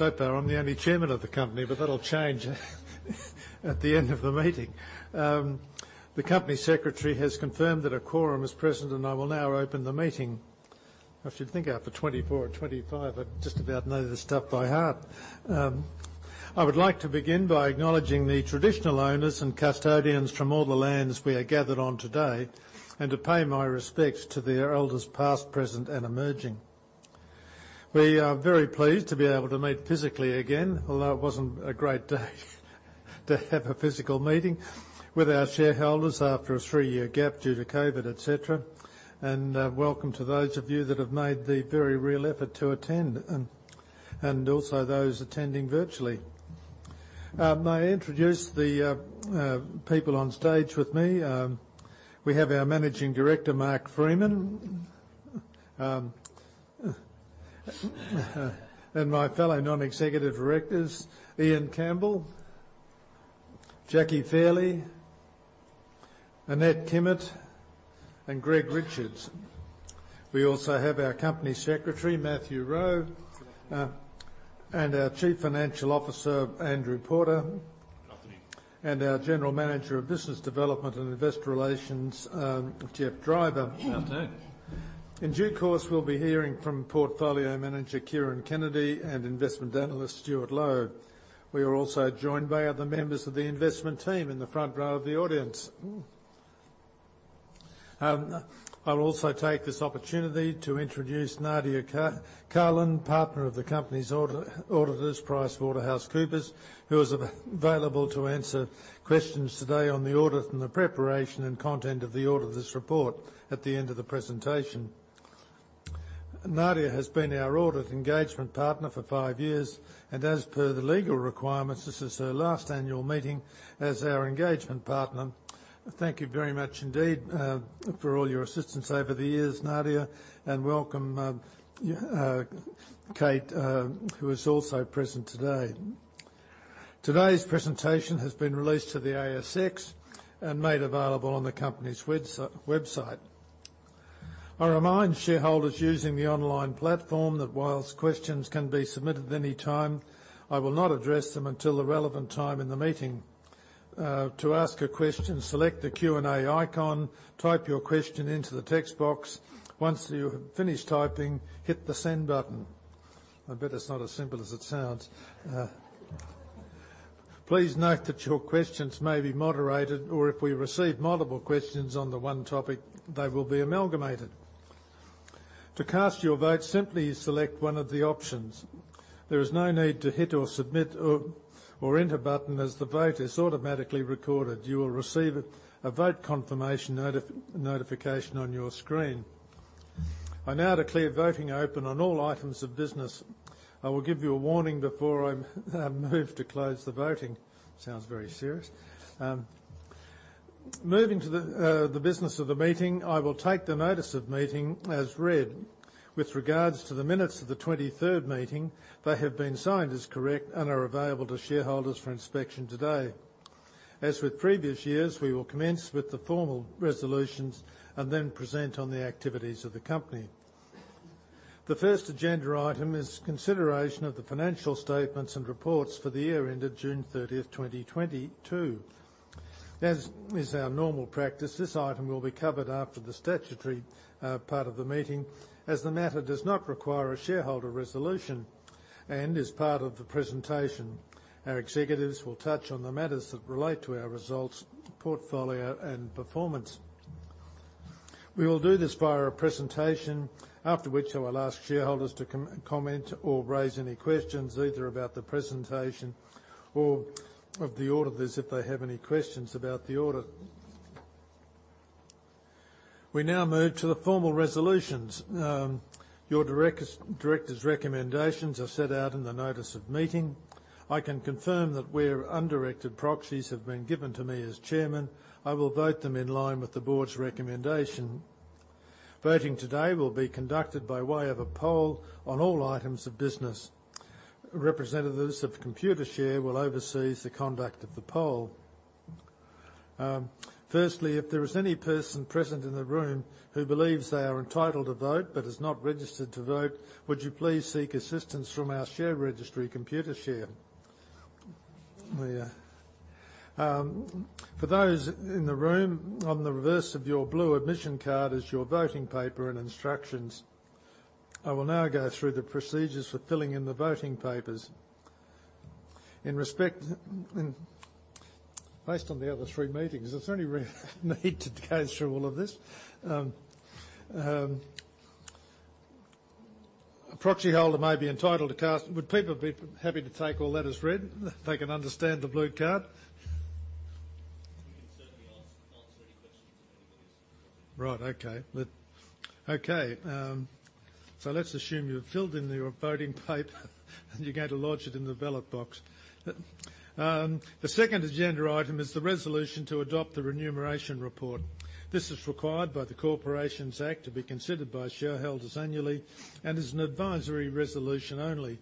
So far, I'm the only chairman of the company, but that'll change at the end of the meeting. The company secretary has confirmed that a quorum is present, and I will now open the meeting. I should think after 24 or 25, I just about know this stuff by heart. I would like to begin by acknowledging the traditional owners and custodians from all the lands we are gathered on today and to pay my respects to their elders, past, present, and emerging. We are very pleased to be able to meet physically again, although it wasn't a great day to have a physical meeting with our shareholders after a three-year gap due to COVID, et cetera. Welcome to those of you that have made the very real effort to attend and also those attending virtually. May I introduce the people on stage with me. We have our Managing Director, Mark Freeman. And my fellow Non-Executive Directors, Ian Campbell, Jackie Fairley, Annette Kimmitt, and Greg Richards. We also have our Company Secretary, Matthew Rowe. Good afternoon. Our Chief Financial Officer, Andrew Porter. Good afternoon. Our General Manager of Business Development and Investor Relations, Geoffrey Driver. Afternoon. In due course, we'll be hearing from Portfolio Manager, Kieran Kennedy, and Investment Analyst, Stuart Lowe. We are also joined by other members of the investment team in the front row of the audience. I'll also take this opportunity to introduce Nadia Carlin, partner of the company's auditors, PricewaterhouseCoopers, who is available to answer questions today on the audit and the preparation and content of the auditor's report at the end of the presentation. Nadia has been our audit engagement partner for five years, and as per the legal requirements, this is her last annual meeting as our engagement partner. Thank you very much indeed for all your assistance over the years, Nadia, and welcome Kate, who is also present today. Today's presentation has been released to the ASX and made available on the company's website. I remind shareholders using the online platform that while questions can be submitted any time, I will not address them until the relevant time in the meeting. To ask a question, select the Q&A icon, type your question into the text box. Once you have finished typing, hit the Send button. I bet it's not as simple as it sounds. Please note that your questions may be moderated, or if we receive multiple questions on the one topic, they will be amalgamated. To cast your vote, simply select one of the options. There is no need to hit or submit or enter button as the vote is automatically recorded. You will receive a vote confirmation notification on your screen. I now declare voting open on all items of business. I will give you a warning before I move to close the voting. Sounds very serious. Moving to the business of the meeting, I will take the notice of meeting as read. With regards to the minutes of the twenty-third meeting, they have been signed as correct and are available to shareholders for inspection today. As with previous years, we will commence with the formal resolutions and then present on the activities of the company. The first agenda item is consideration of the financial statements and reports for the year ended June 30, 2022. As is our normal practice, this item will be covered after the statutory part of the meeting, as the matter does not require a shareholder resolution and is part of the presentation. Our executives will touch on the matters that relate to our results, portfolio, and performance. We will do this via a presentation, after which I will ask shareholders to comment or raise any questions, either about the presentation or the audit, if they have any questions about the audit. We now move to the formal resolutions. Your directors' recommendations are set out in the notice of meeting. I can confirm that where undirected proxies have been given to me as chairman, I will vote them in line with the board's recommendation. Voting today will be conducted by way of a poll on all items of business. Representatives of Computershare will oversee the conduct of the poll. Firstly, if there is any person present in the room who believes they are entitled to vote but is not registered to vote, would you please seek assistance from our share registry, Computershare. For those in the room, on the reverse of your blue admission card is your voting paper and instructions. I will now go through the procedures for filling in the voting papers. Based on the other three meetings, is there any need to go through all of this? Would people be happy to take all that as read? They can understand the blue card. We can certainly answer any questions if anybody's. Right. Okay. let's assume you've filled in your voting paper and you're going to lodge it in the ballot box. The second agenda item is the resolution to adopt the remuneration report. This is required by the Corporations Act to be considered by shareholders annually and is an advisory resolution only.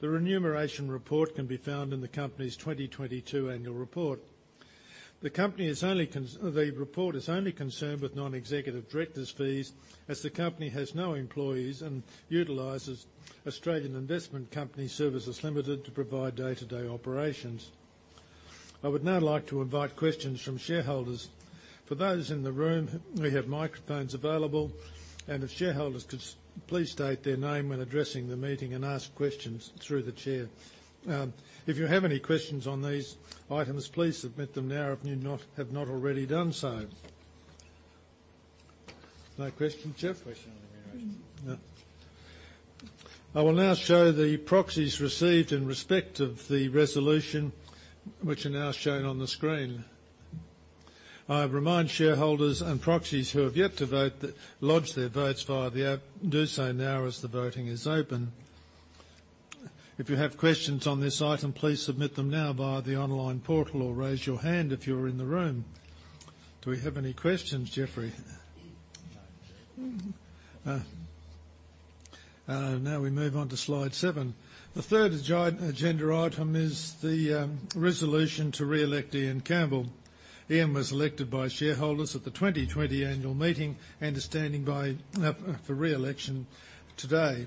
The remuneration report can be found in the company's 2022 annual report. The report is only concerned with non-executive directors' fees, as the company has no employees and utilizes Australian Investment Company Services Limited to provide day-to-day operations. I would now like to invite questions from shareholders. For those in the room, we have microphones available, and if shareholders could please state their name when addressing the meeting and ask questions through the chair. If you have any questions on these items, please submit them now if you have not already done so. No questions, Jeff? Question on the remuneration? No. I will now show the proxies received in respect of the resolution, which are now shown on the screen. I remind shareholders and proxies who have yet to vote to lodge their votes via the app, do so now as the voting is open. If you have questions on this item, please submit them now via the online portal, or raise your hand if you're in the room. Do we have any questions, Geoffrey? No. Now we move on to slide 7. The third agenda item is the resolution to re-elect Ian Campbell. Ian was elected by shareholders at the 2020 annual meeting and is standing by for re-election today.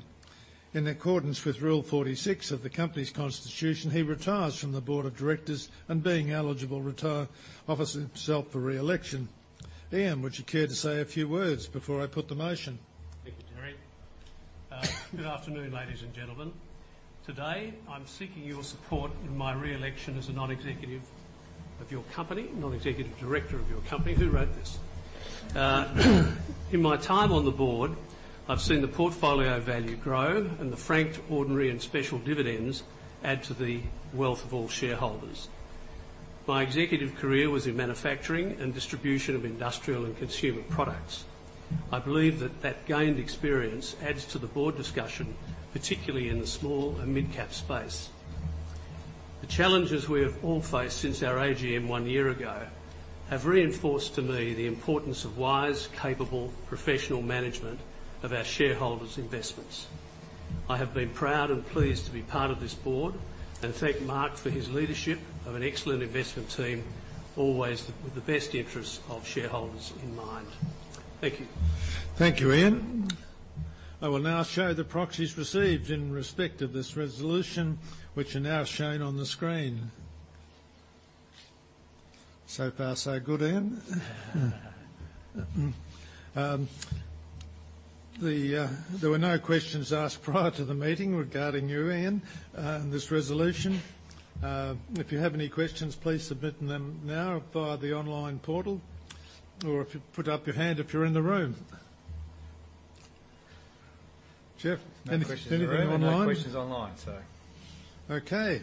In accordance with Rule 46 of the company's constitution, he retires from the board of directors, and being eligible, offers himself for re-election. Ian, would you care to say a few words before I put the motion? Thank you, Terry. Good afternoon, ladies and gentlemen. Today, I'm seeking your support in my re-election as a non-executive director of your company. Who wrote this? In my time on the board, I've seen the portfolio value grow and the franked ordinary and special dividends add to the wealth of all shareholders. My executive career was in manufacturing and distribution of industrial and consumer products. I believe that gained experience adds to the board discussion, particularly in the small and mid-cap space. The challenges we have all faced since our AGM one year ago have reinforced to me the importance of wise, capable, professional management of our shareholders' investments. I have been proud and pleased to be part of this board and thank Mark for his leadership of an excellent investment team, always with the best interest of shareholders in mind. Thank you. Thank you, Ian. I will now show the proxies received in respect of this resolution, which are now shown on the screen. So far, so good, Ian. There were no questions asked prior to the meeting regarding you, Ian, and this resolution. If you have any questions, please submit them now via the online portal, or if you put up your hand if you're in the room. Jeff, anything online? No questions online, so. Okay.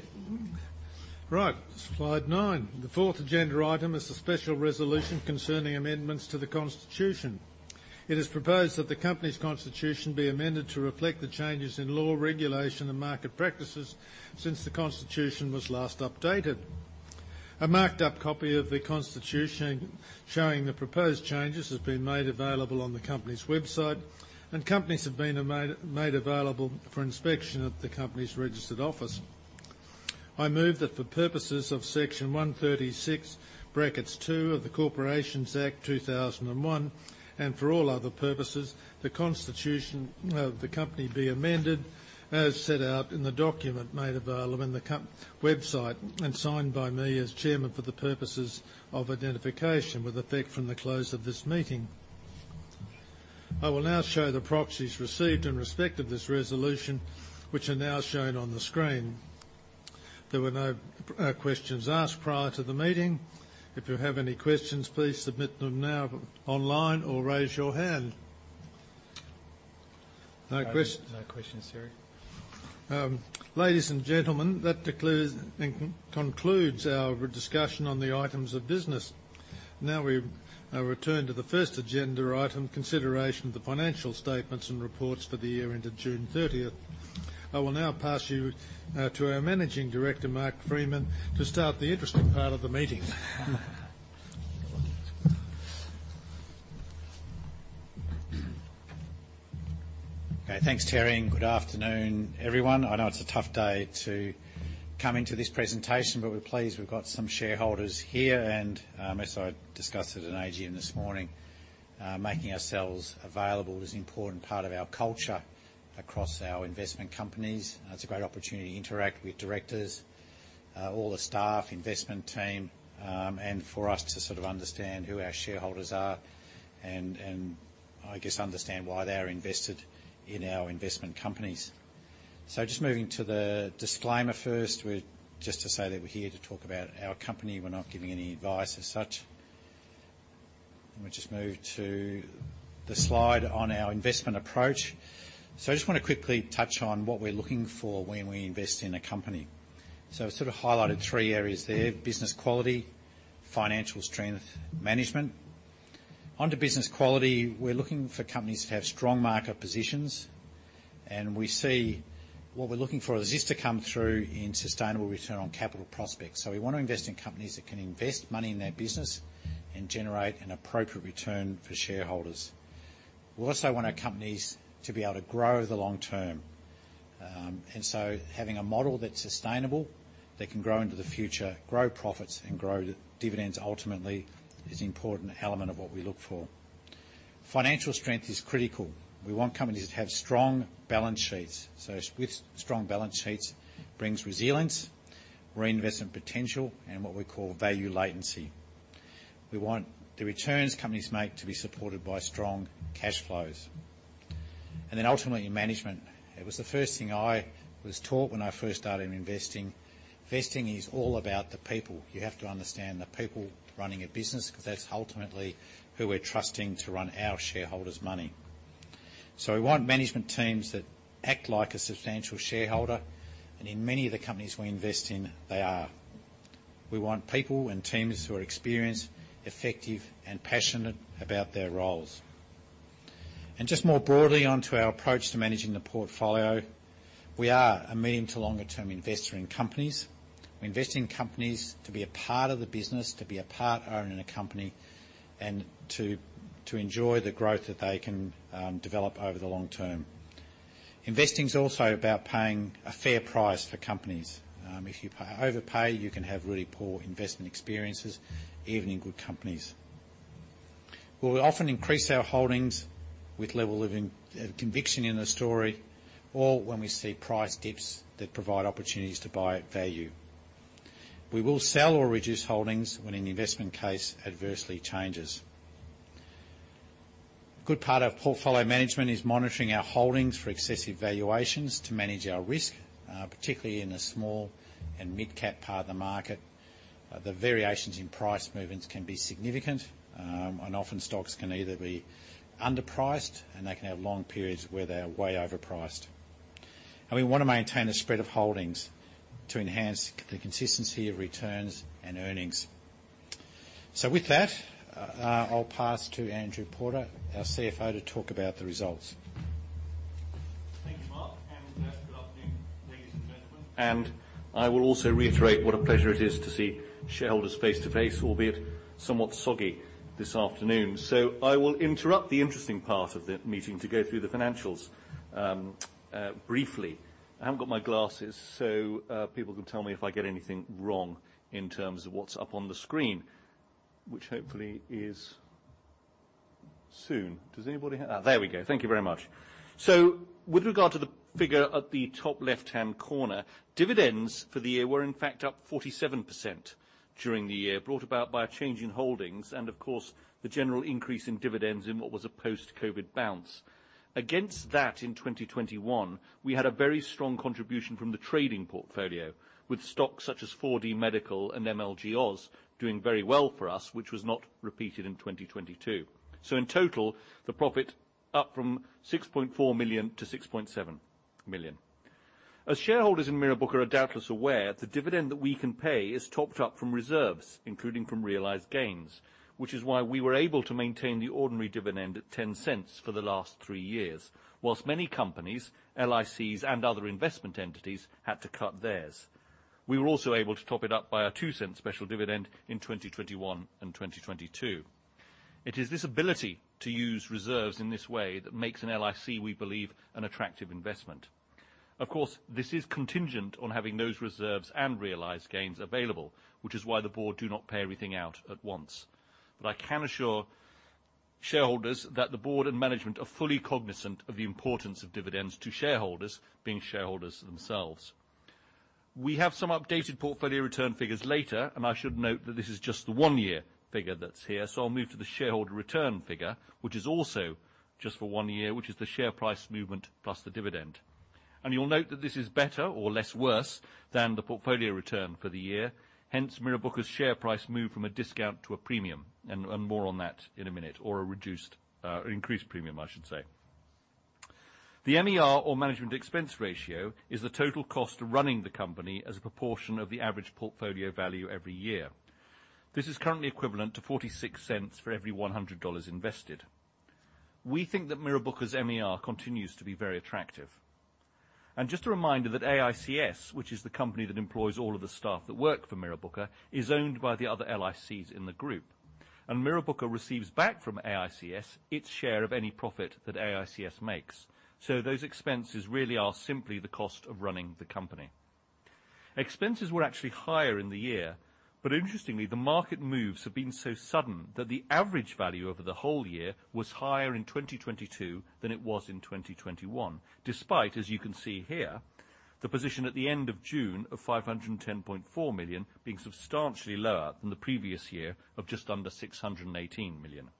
Right. Slide nine. The fourth agenda item is the special resolution concerning amendments to the Constitution. It is proposed that the company's Constitution be amended to reflect the changes in law, regulation, and market practices since the Constitution was last updated. A marked-up copy of the Constitution showing the proposed changes has been made available on the company's website, and copies have been made available for inspection at the company's registered office. I move that for purposes of Section 136(2) of the Corporations Act 2001, and for all other purposes, the Constitution of the company be amended as set out in the document made available on the company's website and signed by me as chairman for the purposes of identification with effect from the close of this meeting. I will now show the proxies received in respect of this resolution, which are now shown on the screen. There were no questions asked prior to the meeting. If you have any questions, please submit them now online or raise your hand. No questions, Terry. Ladies and gentlemen, that declares and concludes our discussion on the items of business. Now we return to the first agenda item, consideration of the financial statements and reports for the year ended June thirtieth. I will now pass you to our Managing Director, Mark Freeman, to start the interesting part of the meeting. Okay, thanks, Terry, and good afternoon, everyone. I know it's a tough day to come into this presentation, but we're pleased we've got some shareholders here, and as I discussed at an AGM this morning, making ourselves available is an important part of our culture across our investment companies. It's a great opportunity to interact with directors, all the staff, investment team, and for us to sort of understand who our shareholders are and I guess understand why they are invested in our investment companies. Just moving to the disclaimer first. We're just to say that we're here to talk about our company. We're not giving any advice as such. Let me just move to the slide on our investment approach. I just want to quickly touch on what we're looking for when we invest in a company. I've sort of highlighted three areas there: business quality, financial strength, management. Onto business quality. We're looking for companies that have strong market positions, and we see what we're looking for is this to come through in sustainable return on capital prospects. We want to invest in companies that can invest money in their business and generate an appropriate return for shareholders. We also want our companies to be able to grow over the long term, and having a model that's sustainable, that can grow into the future, grow profits, and grow dividends ultimately is an important element of what we look for. Financial strength is critical. We want companies that have strong balance sheets. With strong balance sheets brings resilience, reinvestment potential, and what we call value latency. We want the returns companies make to be supported by strong cash flows. Then ultimately, management. It was the first thing I was taught when I first started investing. Investing is all about the people. You have to understand the people running a business, because that's ultimately who we're trusting to run our shareholders' money. We want management teams that act like a substantial shareholder, and in many of the companies we invest in, they are. We want people and teams who are experienced, effective, and passionate about their roles. Just more broadly onto our approach to managing the portfolio, we are a medium to longer term investor in companies. We invest in companies to be a part of the business, to be a partner in a company, and to enjoy the growth that they can develop over the long term. Investing is also about paying a fair price for companies. If you pay, overpay, you can have really poor investment experiences, even in good companies. We'll often increase our holdings with level of conviction in the story or when we see price dips that provide opportunities to buy at value. We will sell or reduce holdings when an investment case adversely changes. Good part of portfolio management is monitoring our holdings for excessive valuations to manage our risk, particularly in the small and mid-cap part of the market. The variations in price movements can be significant, and often stocks can either be underpriced, and they can have long periods where they are way overpriced. We want to maintain a spread of holdings to enhance the consistency of returns and earnings. With that, I'll pass to Andrew Porter, our CFO, to talk about the results. Thank you, Mark. Good afternoon, ladies and gentlemen. I will also reiterate what a pleasure it is to see shareholders face-to-face, albeit somewhat soggy this afternoon. I will interrupt the interesting part of the meeting to go through the financials briefly. I haven't got my glasses, so people can tell me if I get anything wrong in terms of what's up on the screen, which hopefully is soon. There we go. Thank you very much. With regard to the figure at the top left-hand corner, dividends for the year were in fact up 47% during the year, brought about by a change in holdings and of course the general increase in dividends in what was a post-COVID bounce. Against that in 2021, we had a very strong contribution from the trading portfolio with stocks such as 4DMedical and Megaport doing very well for us, which was not repeated in 2022. In total, the profit up from 6.4 million-6.7 million. As shareholders in Mirrabooka are doubtless aware, the dividend that we can pay is topped up from reserves, including from realized gains, which is why we were able to maintain the ordinary dividend at 0.10 for the last three years, while many companies, LICs, and other investment entities had to cut theirs. We were also able to top it up by a AUD 0.02 special dividend in 2021 and 2022. It is this ability to use reserves in this way that makes an LIC, we believe, an attractive investment. Of course, this is contingent on having those reserves and realized gains available, which is why the board do not pay everything out at once. I can assure shareholders that the board and management are fully cognizant of the importance of dividends to shareholders being shareholders themselves. We have some updated portfolio return figures later, and I should note that this is just the one-year figure that's here, so I'll move to the shareholder return figure, which is also just for one year, which is the share price movement plus the dividend. You'll note that this is better or less worse than the portfolio return for the year. Hence, Mirrabooka's share price moved from a discount to a premium, and more on that in a minute, or a reduced, increased premium, I should say. The MER or management expense ratio is the total cost of running the company as a proportion of the average portfolio value every year. This is currently equivalent to 46 cents for every 100 dollars invested. We think that Mirrabooka's MER continues to be very attractive. Just a reminder that AICS, which is the company that employs all of the staff that work for Mirrabooka, is owned by the other LICs in the group. Mirrabooka receives back from AICS its share of any profit that AICS makes. Those expenses really are simply the cost of running the company. Expenses were actually higher in the year, but interestingly, the market moves have been so sudden that the average value over the whole year was higher in 2022 than it was in 2021. Despite, as you can see here, the position at the end of June of 510.4 million being substantially lower than the previous year of just under 618 million.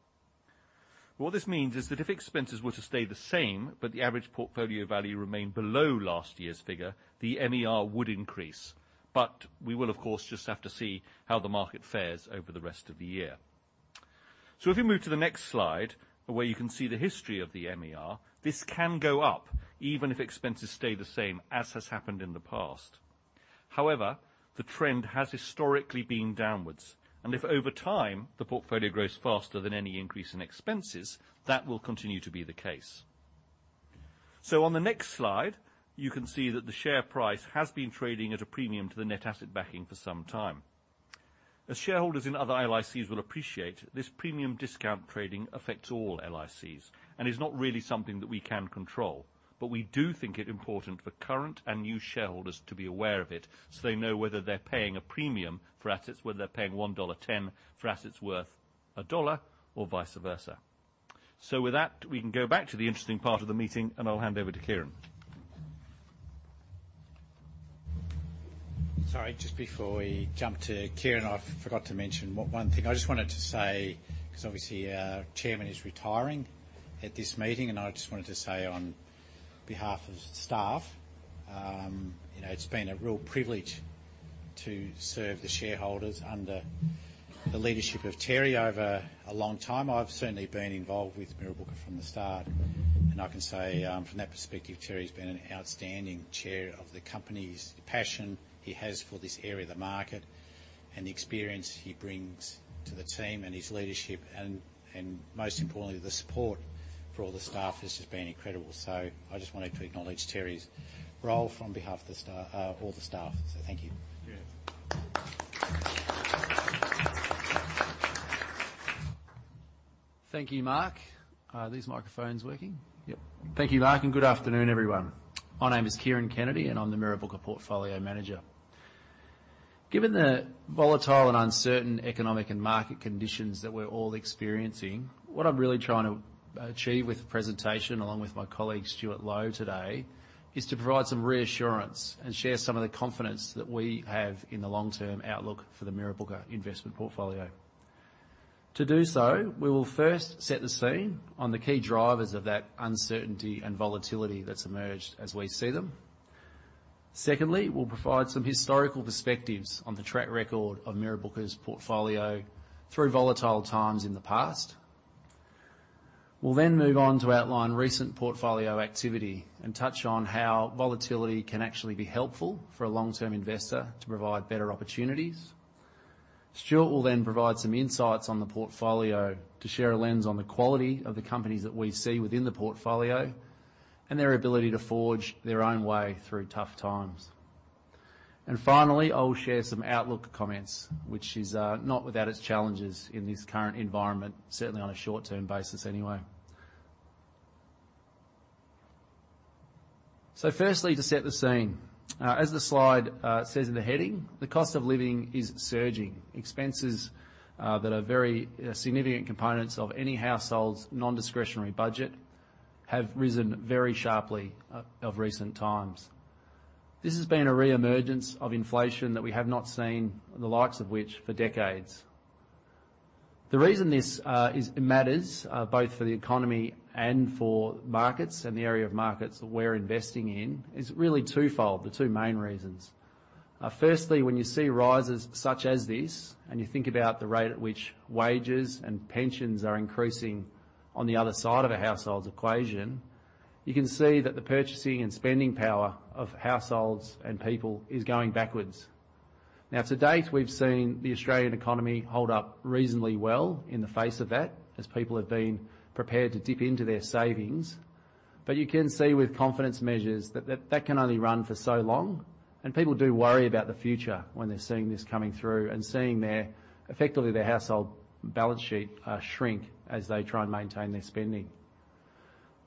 What this means is that if expenses were to stay the same, but the average portfolio value remained below last year's figure, the MER would increase. We will of course just have to see how the market fares over the rest of the year. If we move to the next slide, where you can see the history of the MER, this can go up even if expenses stay the same, as has happened in the past. However, the trend has historically been downwards, and if over time the portfolio grows faster than any increase in expenses, that will continue to be the case. On the next slide, you can see that the share price has been trading at a premium to the net asset backing for some time. As shareholders in other LICs will appreciate, this premium discount trading affects all LICs and is not really something that we can control. We do think it important for current and new shareholders to be aware of it, so they know whether they're paying a premium for assets, whether they're paying 1.10 dollar for assets worth AUD 1 or vice versa. With that, we can go back to the interesting part of the meeting, and I'll hand over to Kieran. Sorry, just before we jump to Kieran, I forgot to mention one thing. I just wanted to say, because obviously our chairman is retiring at this meeting, and I just wanted to say on behalf of staff it's been a real privilege to serve the shareholders under the leadership of Terry over a long time. I've certainly been involved with Mirrabooka from the start, and I can say, from that perspective, Terry's been an outstanding chair of the company. His passion he has for this area of the market and the experience he brings to the team and his leadership and most importantly, the support for all the staff has just been incredible. So I just wanted to acknowledge Terry's role on behalf of all the staff. So thank you. Yeah. Thank you, Mark. Are these microphones working? Yep. Thank you, Mark, and good afternoon, everyone. My name is Kieran Kennedy, and I'm the Mirrabooka portfolio manager. Given the volatile and uncertain economic and market conditions that we're all experiencing, what I'm really trying to achieve with the presentation, along with my colleague Stuart Lowe today, is to provide some reassurance and share some of the confidence that we have in the long-term outlook for the Mirrabooka investment portfolio. To do so, we will first set the scene on the key drivers of that uncertainty and volatility that's emerged as we see them. Secondly, we'll provide some historical perspectives on the track record of Mirrabooka's portfolio through volatile times in the past. We'll then move on to outline recent portfolio activity and touch on how volatility can actually be helpful for a long-term investor to provide better opportunities. Stuart will then provide some insights on the portfolio to share a lens on the quality of the companies that we see within the portfolio and their ability to forge their own way through tough times. Finally, I will share some outlook comments, which is not without its challenges in this current environment, certainly on a short-term basis anyway. Firstly, to set the scene. As the slide says in the heading, the cost of living is surging. Expenses that are very significant components of any household's non-discretionary budget have risen very sharply of recent times. This has been a reemergence of inflation that we have not seen the likes of which for decades. The reason this matters both for the economy and for markets and the area of markets that we're investing in is really twofold. The two main reasons. Firstly, when you see rises such as this, and you think about the rate at which wages and pensions are increasing on the other side of a household's equation, you can see that the purchasing and spending power of households and people is going backwards. Now, to date, we've seen the Australian economy hold up reasonably well in the face of that as people have been prepared to dip into their savings. You can see with confidence measures that that can only run for so long, and people do worry about the future when they're seeing this coming through and seeing their, effectively, their household balance sheet, shrink as they try and maintain their spending.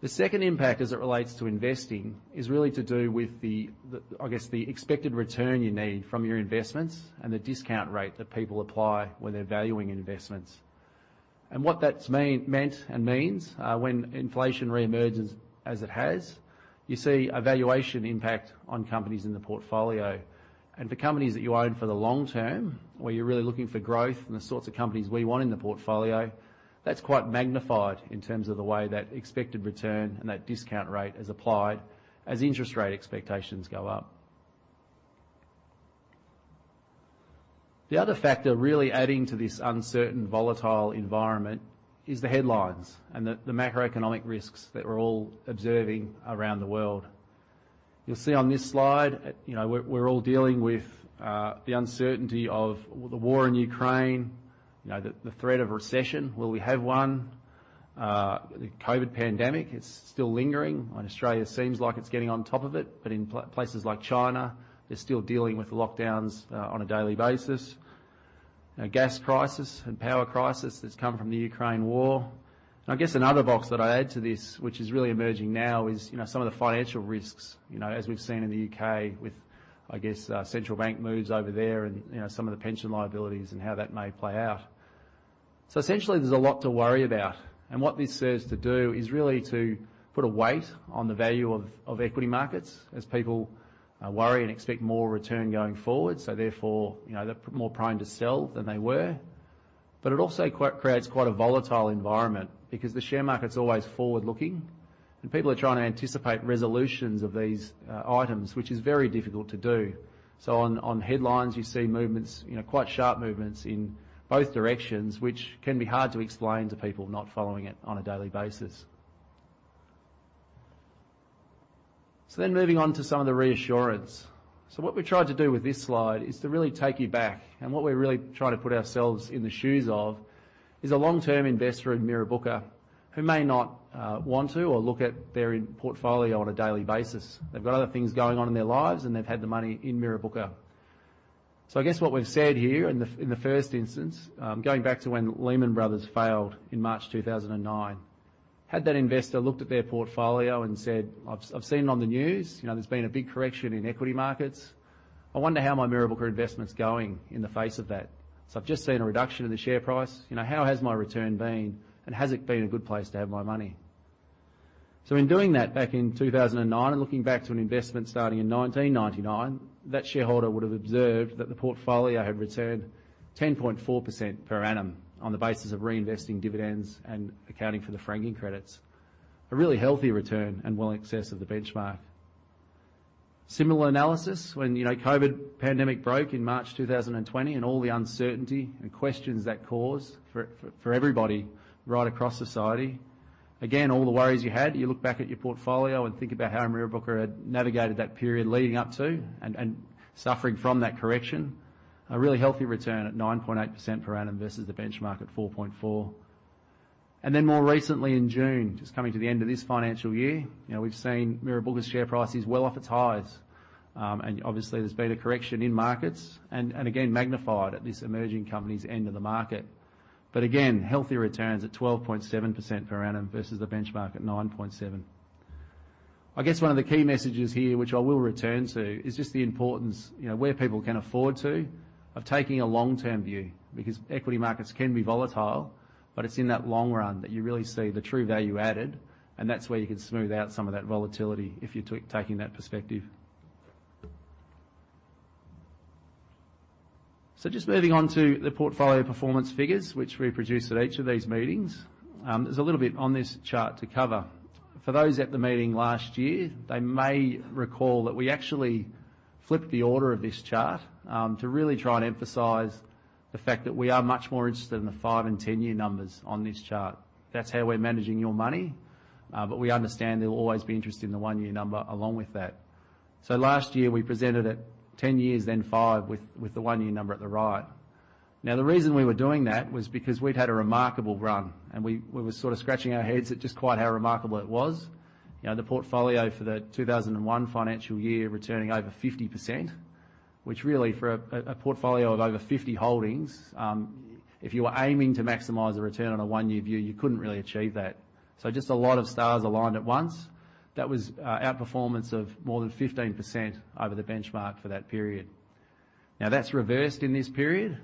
The second impact as it relates to investing is really to do with the I guess the expected return you need from your investments and the discount rate that people apply when they're valuing investments. What that's meant and means when inflation reemerges as it has, you see a valuation impact on companies in the portfolio. For companies that you own for the long term, where you're really looking for growth and the sorts of companies we want in the portfolio, that's quite magnified in terms of the way that expected return and that discount rate is applied as interest rate expectations go up. The other factor really adding to this uncertain, volatile environment is the headlines and the macroeconomic risks that we're all observing around the world. You'll see on this slide we're all dealing with the uncertainty of the war in ukraine the threat of recession. Will we have one? The COVID pandemic is still lingering, and Australia seems like it's getting on top of it, but in places like China, they're still dealing with lockdowns on a daily basis. Gas crisis and power crisis that's come from the Ukraine war. I guess another box that I add to this, which is really emerging now is some of the financial risks as we've seen in the UK with, I guess, central bank moves over there and some of the pension liabilities and how that may play out. Essentially, there's a lot to worry about, and what this serves to do is really to put a weight on the value of equity markets as people worry and expect more return going forward. therefore they're more prone to sell than they were. It also creates quite a volatile environment because the share market's always forward-looking, and people are trying to anticipate resolutions of these items, which is very difficult to do. On headlines, you see movements quite sharp movements in both directions, which can be hard to explain to people not following it on a daily basis. Moving on to some of the reassurance. What we tried to do with this slide is to really take you back, and what we really try to put ourselves in the shoes of is a long-term investor in Mirrabooka, who may not want to or look at their portfolio on a daily basis. They've got other things going on in their lives, and they've had the money in Mirrabooka. I guess what we've said here in the first instance, going back to when Lehman Brothers failed in March 2009, had that investor looked at their portfolio and said, "I've seen on the news there's been a big correction in equity markets. I wonder how my Mirrabooka investment's going in the face of that. So I've just seen a reduction in the share price. You know, how has my return been, and has it been a good place to have my money?" In doing that back in 2009 and looking back to an investment starting in 1999, that shareholder would have observed that the portfolio had returned 10.4% per annum on the basis of reinvesting dividends and accounting for the franking credits. A really healthy return and well in excess of the benchmark. Similar analysis when COVID pandemic broke in March 2020 and all the uncertainty and questions that caused for everybody right across society. Again, all the worries you had, you look back at your portfolio and think about how Mirrabooka had navigated that period leading up to and suffering from that correction. A really healthy return at 9.8% per annum versus the benchmark at 4.4%. Then more recently in June, just coming to the end of this financial year we've seen Mirrabooka's share price is well off its highs. And obviously, there's been a correction in markets and again, magnified at this emerging company's end of the market. Again, healthy returns at 12.7% per annum versus the benchmark at 9.7%. I guess one of the key messages here, which I will return to, is just the importance where people can afford to, of taking a long-term view because equity markets can be volatile, but it's in that long run that you really see the true value added, and that's where you can smooth out some of that volatility if you're taking that perspective. Just moving on to the portfolio performance figures, which we produce at each of these meetings. There's a little bit on this chart to cover. For those at the meeting last year, they may recall that we actually flipped the order of this chart, to really try and emphasize the fact that we are much more interested in the 5- and 10-year numbers on this chart. That's how we're managing your money, but we understand there will always be interest in the one-year number along with that. Last year, we presented it 10 years, then 5 with the one-year number at the right. Now, the reason we were doing that was because we'd had a remarkable run, and we were sort of scratching our heads at just quite how remarkable it was. You know, the portfolio for the 2001 financial year returning over 50%, which really for a portfolio of over 50 holdings, if you were aiming to maximize the return on a one-year view, you couldn't really achieve that. Just a lot of stars aligned at once. That was outperformance of more than 15% over the benchmark for that period. Now, that's reversed in this period.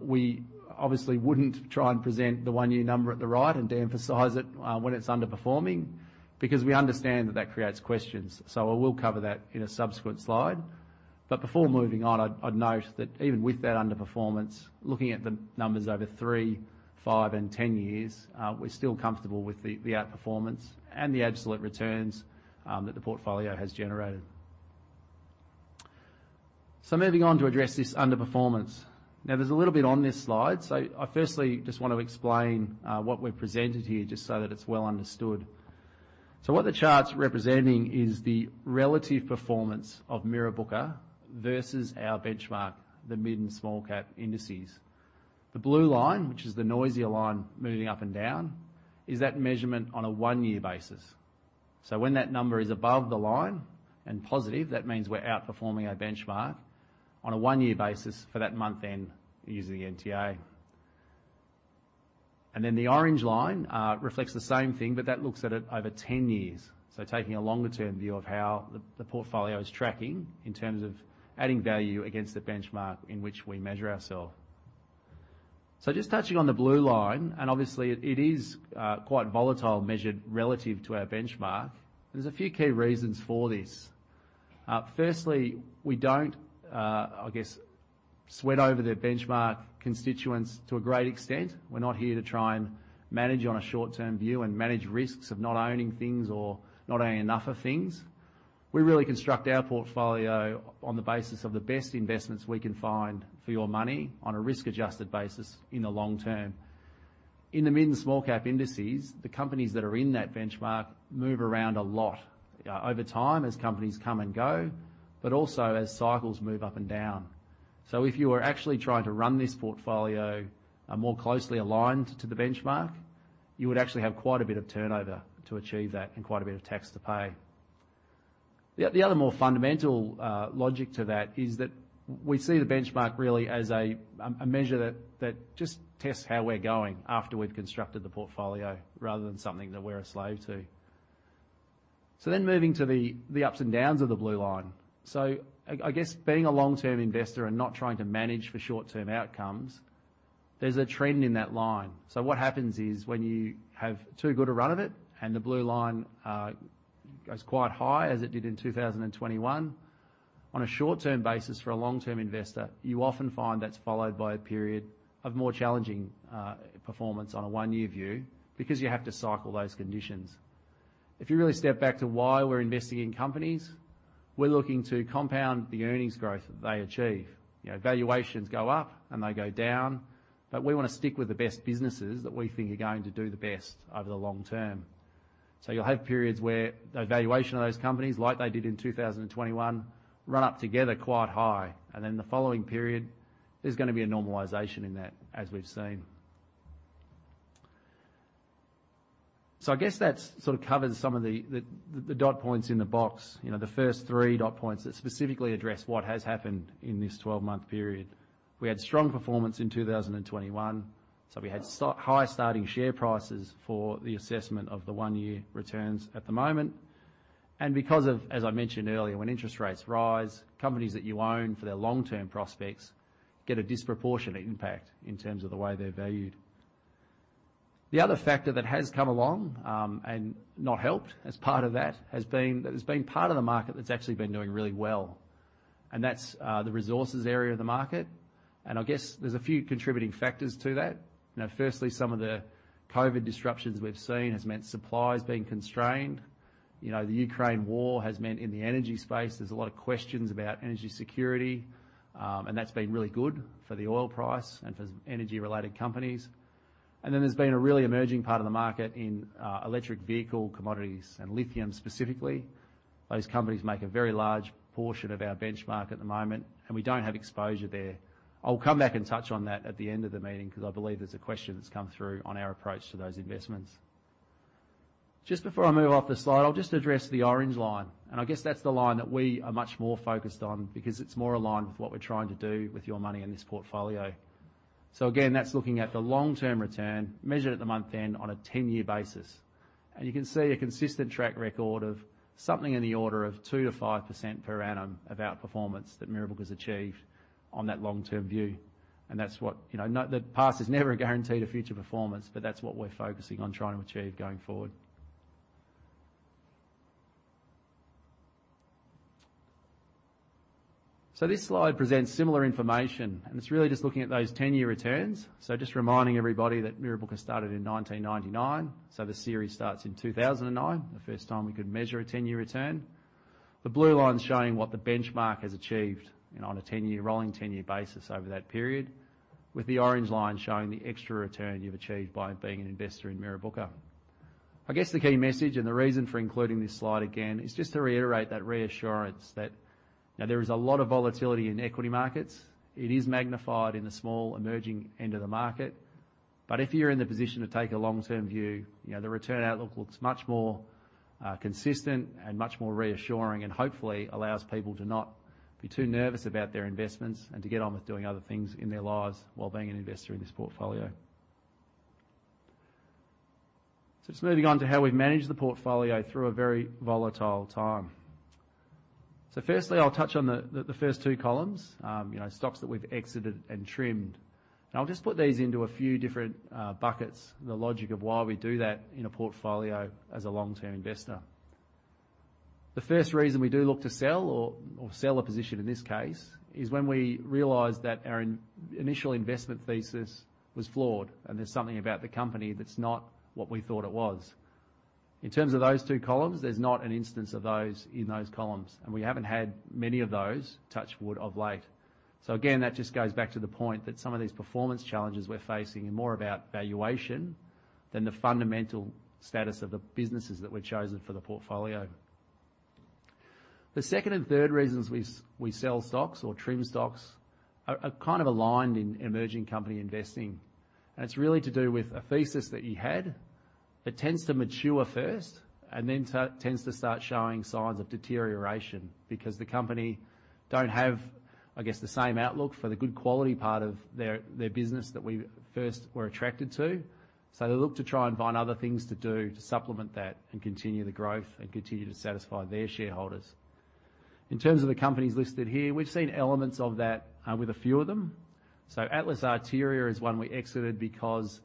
We obviously wouldn't try and highlight the one-year number and de-emphasize it when it's underperforming because we understand that that creates questions. I will cover that in a subsequent slide. Before moving on, I'd note that even with that underperformance, looking at the numbers over 3, 5, and 10 years, we're still comfortable with the outperformance and the absolute returns that the portfolio has generated. Moving on to address this underperformance. Now, there's a little bit on this slide. I firstly just want to explain what we've presented here just so that it's well understood. What the chart's representing is the relative performance of Mirrabooka versus our benchmark, the mid and small cap indices. The blue line, which is the noisier line moving up and down, is that measurement on a 1-year basis. When that number is above the line and positive, that means we're outperforming our benchmark on a 1-year basis for that month end using the NTA. Then the orange line reflects the same thing, but that looks at it over 10 years. Taking a longer-term view of how the portfolio is tracking in terms of adding value against the benchmark in which we measure ourselves. Just touching on the blue line, and obviously it is quite volatile measured relative to our benchmark. There's a few key reasons for this. Firstly, we don't, I guess, sweat over the benchmark constituents to a great extent. We're not here to try and manage on a short-term view and manage risks of not owning things or not owning enough of things. We really construct our portfolio on the basis of the best investments we can find for your money on a risk-adjusted basis in the long term. In the mid and small cap indices, the companies that are in that benchmark move around a lot over time as companies come and go, but also as cycles move up and down. If you were actually trying to run this portfolio more closely aligned to the benchmark, you would actually have quite a bit of turnover to achieve that and quite a bit of tax to pay. The other more fundamental logic to that is that we see the benchmark really as a measure that just tests how we're going after we've constructed the portfolio rather than something that we're a slave to. Moving to the ups and downs of the blue line. I guess being a long-term investor and not trying to manage for short-term outcomes, there's a trend in that line. What happens is when you have too good a run of it and the blue line goes quite high as it did in 2021, on a short-term basis for a long-term investor, you often find that's followed by a period of more challenging performance on a one-year view because you have to cycle those conditions. If you really step back to why we're investing in companies, we're looking to compound the earnings growth that they achieve. You know, valuations go up and they go down, but we want to stick with the best businesses that we think are going to do the best over the long term. You'll have periods where the valuation of those companies, like they did in 2021, run up together quite high, and then the following period, there's going to be a normalization in that, as we've seen. I guess that's sort of covers some of the dot points in the box the first three dot points that specifically address what has happened in this 12-month period. We had strong performance in 2021, high starting share prices for the assessment of the 1-year returns at the moment. Because of, as I mentioned earlier, when interest rates rise, companies that you own for their long-term prospects get a disproportionate impact in terms of the way they're valued. The other factor that has come along, and not helped as part of that, has been that there's been part of the market that's actually been doing really well, and that's the resources area of the market. I guess there's a few contributing factors to that. You know, firstly, some of the COVID disruptions we've seen has meant supply has been constrained. You know, the Ukraine war has meant in the energy space, there's a lot of questions about energy security, and that's been really good for the oil price and for energy-related companies. There's been a really emerging part of the market in electric vehicle commodities and lithium specifically. Those companies make a very large portion of our benchmark at the moment, and we don't have exposure there. I'll come back and touch on that at the end of the meeting because I believe there's a question that's come through on our approach to those investments. Just before I move off the slide, I'll just address the orange line, and I guess that's the line that we are much more focused on because it's more aligned with what we're trying to do with your money in this portfolio. Again, that's looking at the long-term return measured at the month end on a 10-year basis. You can see a consistent track record of something in the order of 2%-5% per annum of outperformance that Mirrabooka has achieved on that long-term view. That's what not that past is never a guarantee to future performance, but that's what we're focusing on trying to achieve going forward. This slide presents similar information, and it's really just looking at those 10-year returns. Just reminding everybody that Mirrabooka started in 1999, so the series starts in 2009, the first time we could measure a 10-year return. The blue line's showing what the benchmark has achieved on a 10-year, rolling 10-year basis over that period, with the orange line showing the extra return you've achieved by being an investor in Mirrabooka. I guess the key message and the reason for including this slide again is just to reiterate that reassurance that there is a lot of volatility in equity markets. It is magnified in the small emerging end of the market. If you're in the position to take a long-term view the return outlook looks much more consistent and much more reassuring and hopefully allows people to not be too nervous about their investments and to get on with doing other things in their lives while being an investor in this portfolio. Just moving on to how we've managed the portfolio through a very volatile time. Firstly, I'll touch on the first two columns stocks that we've exited and trimmed. I'll just put these into a few different buckets, the logic of why we do that in a portfolio as a long-term investor. The first reason we do look to sell or sell a position in this case is when we realize that our initial investment thesis was flawed and there's something about the company that's not what we thought it was. In terms of those two columns, there's not an instance of those in those columns, and we haven't had many of those, touch wood, of late. Again, that just goes back to the point that some of these performance challenges we're facing are more about valuation than the fundamental status of the businesses that were chosen for the portfolio. The second and third reasons we sell stocks or trim stocks are kind of aligned in emerging company investing. It's really to do with a thesis that you had that tends to mature first and then tends to start showing signs of deterioration because the company don't have, I guess, the same outlook for the good quality part of their business that we first were attracted to. They look to try and find other things to do to supplement that and continue the growth and continue to satisfy their shareholders. In terms of the companies listed here, we've seen elements of that with a few of them. Atlas Arteria is one we exited because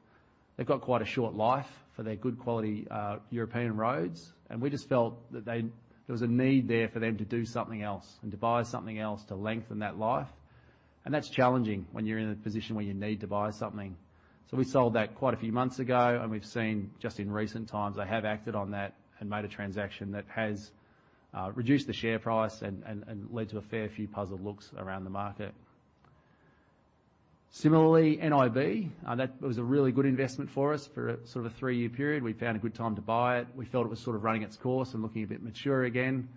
they've got quite a short life for their good quality European roads, and we just felt that there was a need there for them to do something else and to buy something else to lengthen that life. That's challenging when you're in a position where you need to buy something. We sold that quite a few months ago, and we've seen just in recent times, they have acted on that and made a transaction that has reduced the share price and led to a fair few puzzled looks around the market. Similarly, nib, that was a really good investment for us for sort of a three-year period. We found a good time to buy it. We felt it was sort of running its course and looking a bit mature again.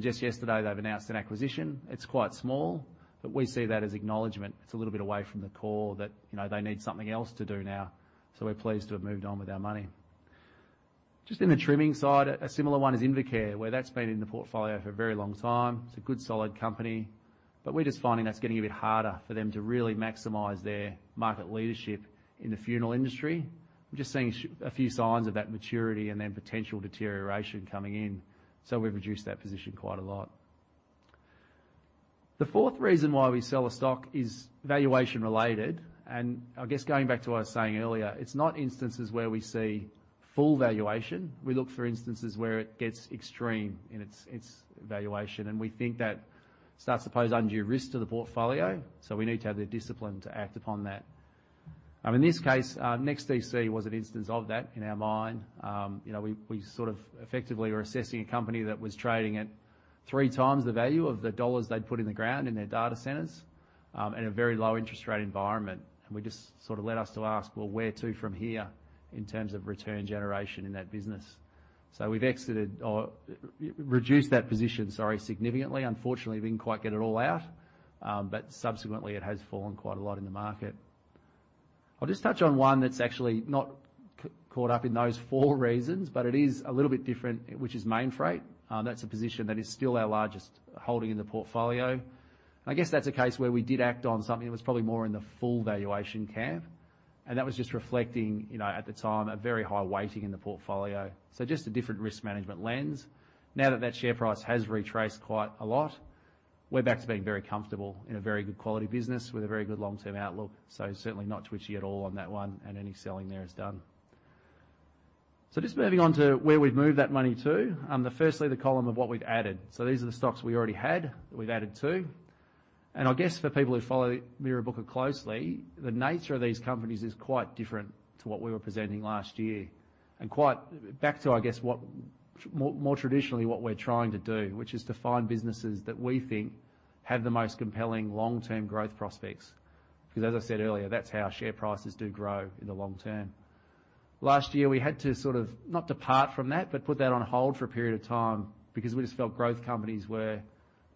Just yesterday, they've announced an acquisition. It's quite small, but we see that as acknowledgment. It's a little bit away from the core that they need something else to do now. We're pleased to have moved on with our money. Just in the trimming side, a similar one is InvoCare, where that's been in the portfolio for a very long time. It's a good, solid company, but we're just finding that's getting a bit harder for them to really maximize their market leadership in the funeral industry. We're just seeing a few signs of that maturity and then potential deterioration coming in. So we've reduced that position quite a lot. The fourth reason why we sell a stock is valuation related, and I guess going back to what I was saying earlier, it's not instances where we see full valuation. We look for instances where it gets extreme in its valuation, and we think that starts to pose undue risk to the portfolio, so we need to have the discipline to act upon that. In this case, NEXTDC was an instance of that in our mind. You know, we sort of effectively were assessing a company that was trading at three times the value of the dollars they'd put in the ground in their data centers. In a very low interest rate environment. We just sort of led us to ask, "Well, where to from here in terms of return generation in that business?" We've exited or reduced that position, sorry, significantly. Unfortunately, we didn't quite get it all out, but subsequently it has fallen quite a lot in the market. I'll just touch on one that's actually not caught up in those four reasons, but it is a little bit different, which is Mainfreight. That's a position that is still our largest holding in the portfolio. I guess that's a case where we did act on something that was probably more in the full valuation camp, and that was just reflecting at the time, a very high weighting in the portfolio. Just a different risk management lens. Now that that share price has retraced quite a lot, we're back to being very comfortable in a very good quality business with a very good long-term outlook. Certainly not twitchy at all on that one, and any selling there is done. Just moving on to where we've moved that money to. Firstly, the column of what we've added. These are the stocks we already had that we've added to. I guess for people who follow Mirrabooka closely, the nature of these companies is quite different to what we were presenting last year and quite back to, I guess, what more traditionally, what we're trying to do, which is to find businesses that we think have the most compelling long-term growth prospects, because as I said earlier, that's how share prices do grow in the long term. Last year, we had to sort of not depart from that, but put that on hold for a period of time because we just felt growth companies were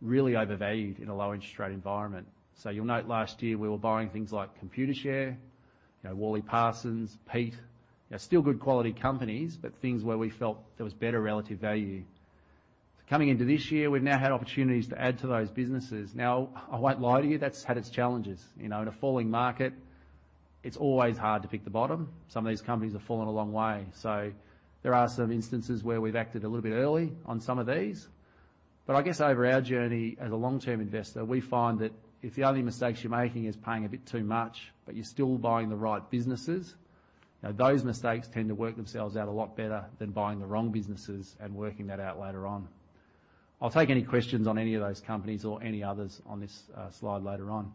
really overvalued in a low interest rate environment. You'll note last year we were buying things like computershare WorleyParsons, Peet. They're still good quality companies, but things where we felt there was better relative value. Coming into this year, we've now had opportunities to add to those businesses. Now, I won't lie to you, that's had its challenges. You know, in a falling market, it's always hard to pick the bottom. Some of these companies have fallen a long way. There are some instances where we've acted a little bit early on some of these. But I guess over our journey as a long-term investor, we find that if the only mistakes you're making is paying a bit too much, but you're still buying the right businesses, those mistakes tend to work themselves out a lot better than buying the wrong businesses and working that out later on. I'll take any questions on any of those companies or any others on this slide later on.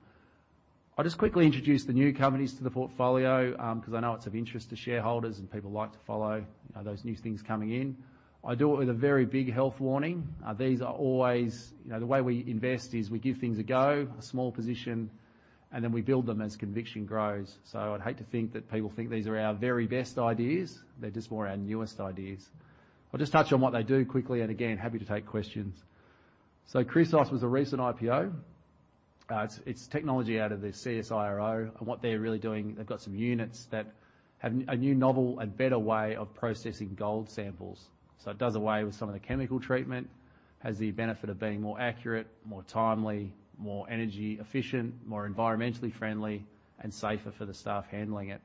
I'll just quickly introduce the new companies to the portfolio, because I know it's of interest to shareholders and people like to follow those new things coming in. I do it with a very big health warning. These are always. You know, the way we invest is we give things a go, a small position, and then we build them as conviction grows. I'd hate to think that people think these are our very best ideas. They're just more our newest ideas. I'll just touch on what they do quickly and again, happy to take questions. Chrysos was a recent IPO. It's technology out of the CSIRO and what they're really doing, they've got some units that have a new novel and better way of processing gold samples. It does away with some of the chemical treatment, has the benefit of being more accurate, more timely, more energy efficient, more environmentally friendly and safer for the staff handling it.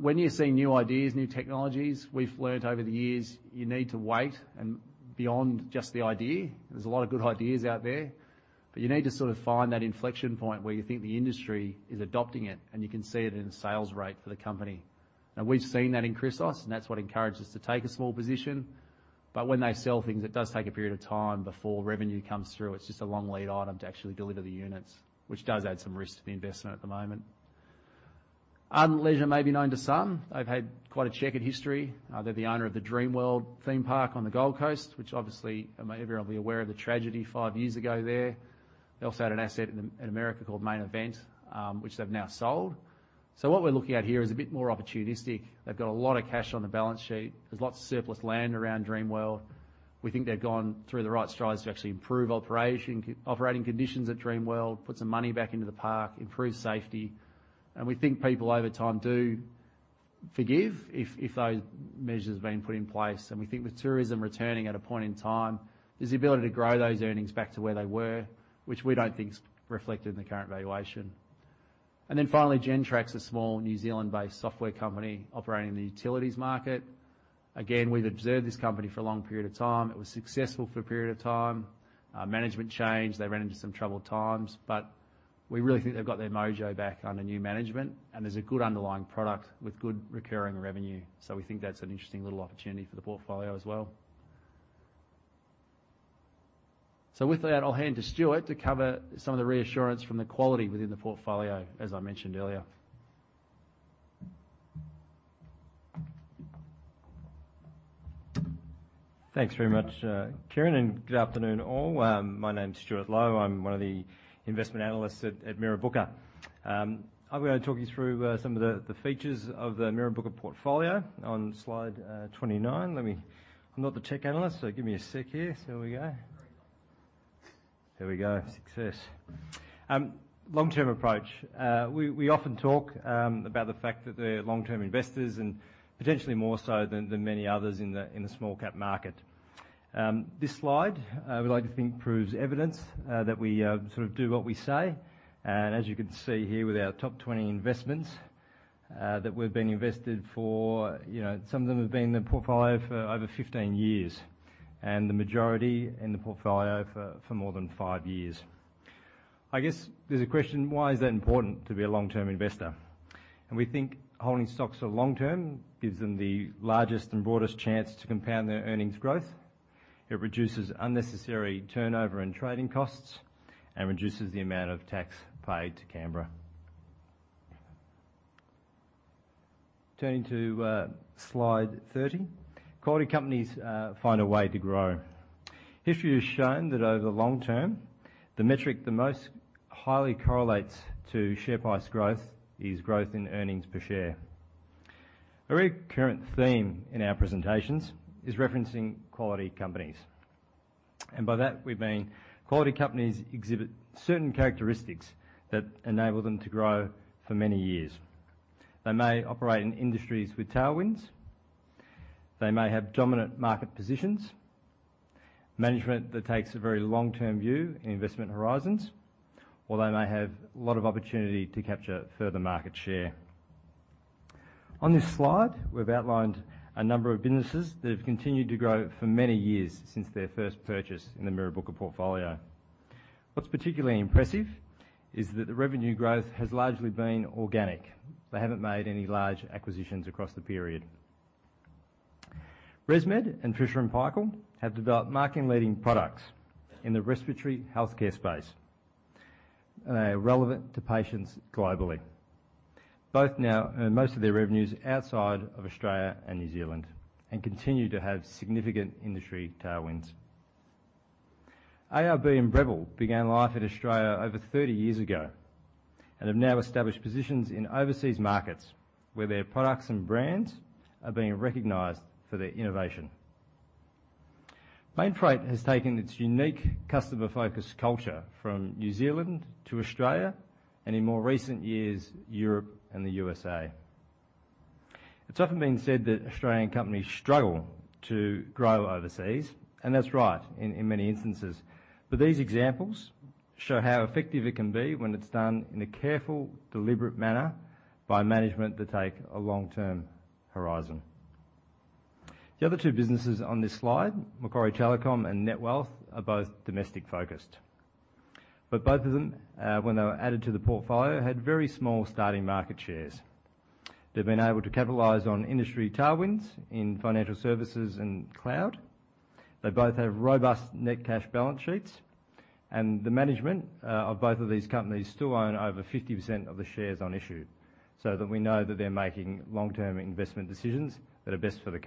When you see new ideas, new technologies, we've learned over the years, you need to wait and beyond just the idea. There's a lot of good ideas out there, but you need to sort of find that inflection point where you think the industry is adopting it and you can see it in sales rate for the company. Now, we've seen that in Chrysos, and that's what encouraged us to take a small position. When they sell things, it does take a period of time before revenue comes through. It's just a long lead item to actually deliver the units, which does add some risk to the investment at the moment. Ardent Leisure may be known to some. They've had quite a checkered history. They're the owner of the Dreamworld theme park on the Gold Coast, which obviously everyone will be aware of the tragedy five years ago there. They also had an asset in America called Main Event, which they've now sold. What we're looking at here is a bit more opportunistic. They've got a lot of cash on the balance sheet. There's lots of surplus land around Dreamworld. We think they've gone through the right strides to actually improve operation, operating conditions at Dreamworld, put some money back into the park, improve safety, and we think people over time do forgive if those measures have been put in place. We think with tourism returning at a point in time, there's the ability to grow those earnings back to where they were, which we don't think is reflected in the current valuation. Finally, Gentrack's a small New Zealand-based software company operating in the utilities market. Again, we've observed this company for a long period of time. It was successful for a period of time. Management change, they ran into some troubled times, but we really think they've got their mojo back under new management and there's a good underlying product with good recurring revenue. So we think that's an interesting little opportunity for the portfolio as well. With that, I'll hand to Stuart to cover some of the reassurance from the quality within the portfolio, as I mentioned earlier. Thanks very much, Kieran, and good afternoon all. My name is Stuart Lowe. I'm one of the investment analysts at Mirrabooka. I'm going to talk you through some of the features of the Mirrabooka portfolio on slide 29. I'm not the tech analyst, so give me a sec here. There we go. Success. Long-term approach. We often talk about the fact that they're long-term investors and potentially more so than many others in the small cap market. This slide, we like to think proves evidence that we sort of do what we say. As you can see here with our top 20 investments, that we've been invested for some of them have been in the portfolio for over 15 years, and the majority in the portfolio for more than 5 years. I guess there's a question, why is that important to be a long-term investor? We think holding stocks for long term gives them the largest and broadest chance to compound their earnings growth. It reduces unnecessary turnover and trading costs and reduces the amount of tax paid to Canberra. Turning to slide 30. Quality companies find a way to grow. History has shown that over the long term, the metric that most highly correlates to share price growth is growth in earnings per share. A recurrent theme in our presentations is referencing quality companies, and by that we mean quality companies exhibit certain characteristics that enable them to grow for many years. They may operate in industries with tailwinds. They may have dominant market positions, management that takes a very long-term view in investment horizons, or they may have a lot of opportunity to capture further market share. On this slide, we've outlined a number of businesses that have continued to grow for many years since their first purchase in the Mirrabooka portfolio. What's particularly impressive is that the revenue growth has largely been organic. They haven't made any large acquisitions across the period. ResMed and Fisher & Paykel have developed market-leading products in the respiratory healthcare space, and they are relevant to patients globally. Both now earn most of their revenues outside of Australia and New Zealand, and continue to have significant industry tailwinds. ARB and Breville began life in Australia over 30 years ago and have now established positions in overseas markets where their products and brands are being recognized for their innovation. Mainfreight has taken its unique customer-focused culture from New Zealand to Australia and in more recent years, Europe and the USA. It's often been said that Australian companies struggle to grow overseas, and that's right in many instances. These examples show how effective it can be when it's done in a careful, deliberate manner by management that take a long-term horizon. The other two businesses on this slide, Macquarie Telecom and Netwealth, are both domestic-focused. Both of them, when they were added to the portfolio, had very small starting market shares. They've been able to capitalize on industry tailwinds in financial services and cloud. They both have robust net cash balance sheets. The management of both of these companies still own over 50% of the shares on issue, so that we know that they're making long-term investment decisions that are best for the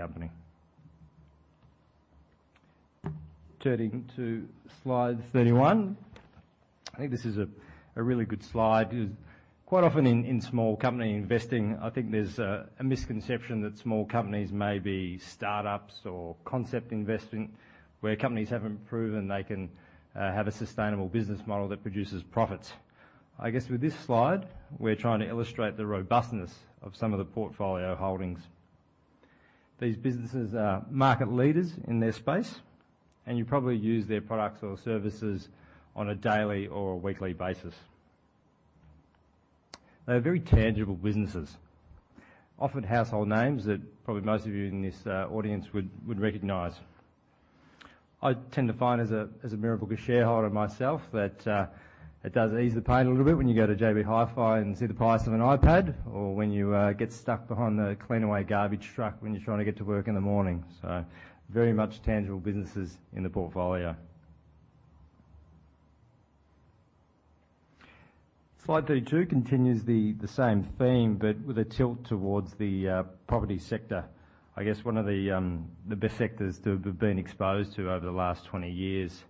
company. Turning to slide 31. I think this is a really good slide. Quite often in small company investing, I think there's a misconception that small companies may be startups or concept investing, where companies haven't proven they can have a sustainable business model that produces profits. I guess with this slide, we're trying to illustrate the robustness of some of the portfolio holdings. These businesses are market leaders in their space, and you probably use their products or services on a daily or a weekly basis. They are very tangible businesses, often household names that probably most of you in this audience would recognize. I tend to find as a Mirrabooka shareholder myself that it does ease the pain a little bit when you go to JB Hi-Fi and see the price of an iPad or when you get stuck behind a Cleanaway garbage truck when you're trying to get to work in the morning. Very much tangible businesses in the portfolio. Slide 32 continues the same theme, but with a tilt towards the property sector. I guess one of the best sectors to have been exposed to over the last 20 years.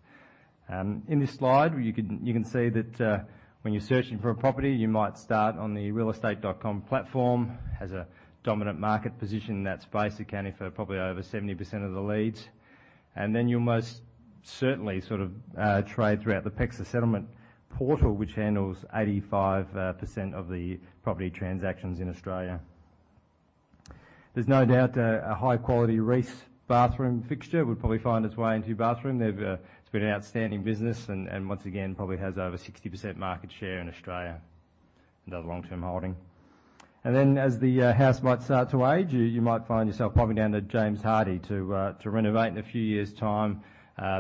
In this slide, you can see that when you're searching for a property, you might start on the realestate.com.au platform. Has a dominant market position in that space, accounting for probably over 70% of the leads. You'll most certainly trade throughout the PEXA settlement portal, which handles 85% of the property transactions in Australia. There's no doubt a high-quality Reece bathroom fixture would probably find its way into your bathroom. They've. It's been an outstanding business and once again probably has over 60% market share in Australia. Another long-term holding. As the house might start to age, you might find yourself popping down to James Hardie to renovate in a few years' time,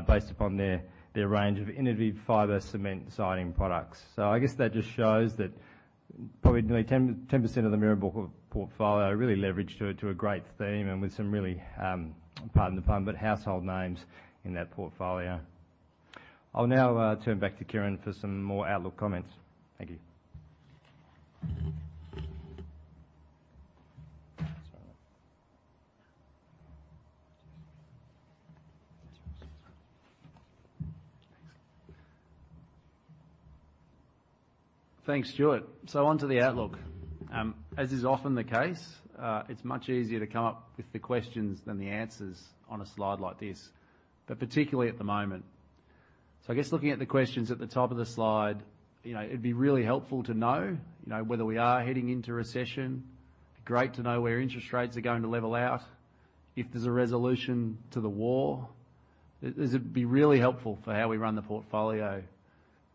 based upon their range of innovative fiber cement siding products. I guess that just shows that probably nearly 10% of the Mirrabooka portfolio really leveraged to a great theme and with some really, pardon the pun, but household names in that portfolio. I'll now turn back to Kieran for some more outlook comments. Thank you. Thanks, Stuart. On to the outlook. As is often the case, it's much easier to come up with the questions than the answers on a slide like this, but particularly at the moment. I guess looking at the questions at the top of the slide it'd be really helpful to know whether we are heading into recession. Great to know where interest rates are going to level out, if there's a resolution to the war. These would be really helpful for how we run the portfolio.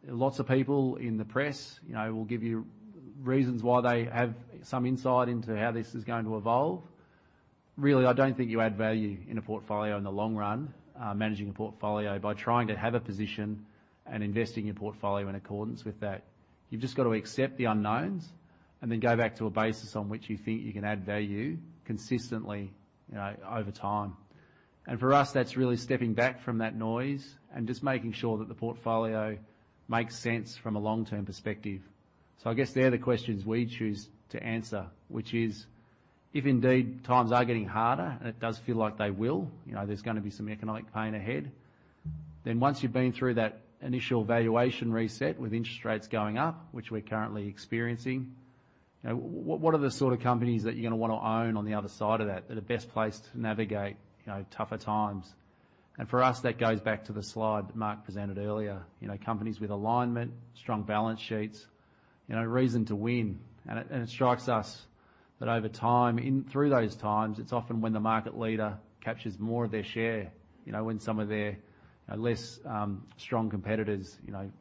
Lots of people in the press will give you reasons why they have some insight into how this is going to evolve. Really, I don't think you add value in a portfolio in the long run, managing a portfolio by trying to have a position and investing your portfolio in accordance with that. You've just got to accept the unknowns and then go back to a basis on which you think you can add value consistently over time. For us, that's really stepping back from that noise and just making sure that the portfolio makes sense from a long-term perspective. I guess they're the questions we choose to answer, which is, if indeed times are getting harder, and it does feel like they will there's going to be some economic pain ahead. Once you've been through that initial valuation reset with interest rates going up, which we're currently experiencing what are the sort of companies that you're going to want to own on the other side of that are best placed to navigate tougher times? For us, that goes back to the slide Mark presented earlier. You know, companies with alignment, strong balance sheets reason to win. It strikes us that over time, through those times, it's often when the market leader captures more of their share when some of their less strong competitors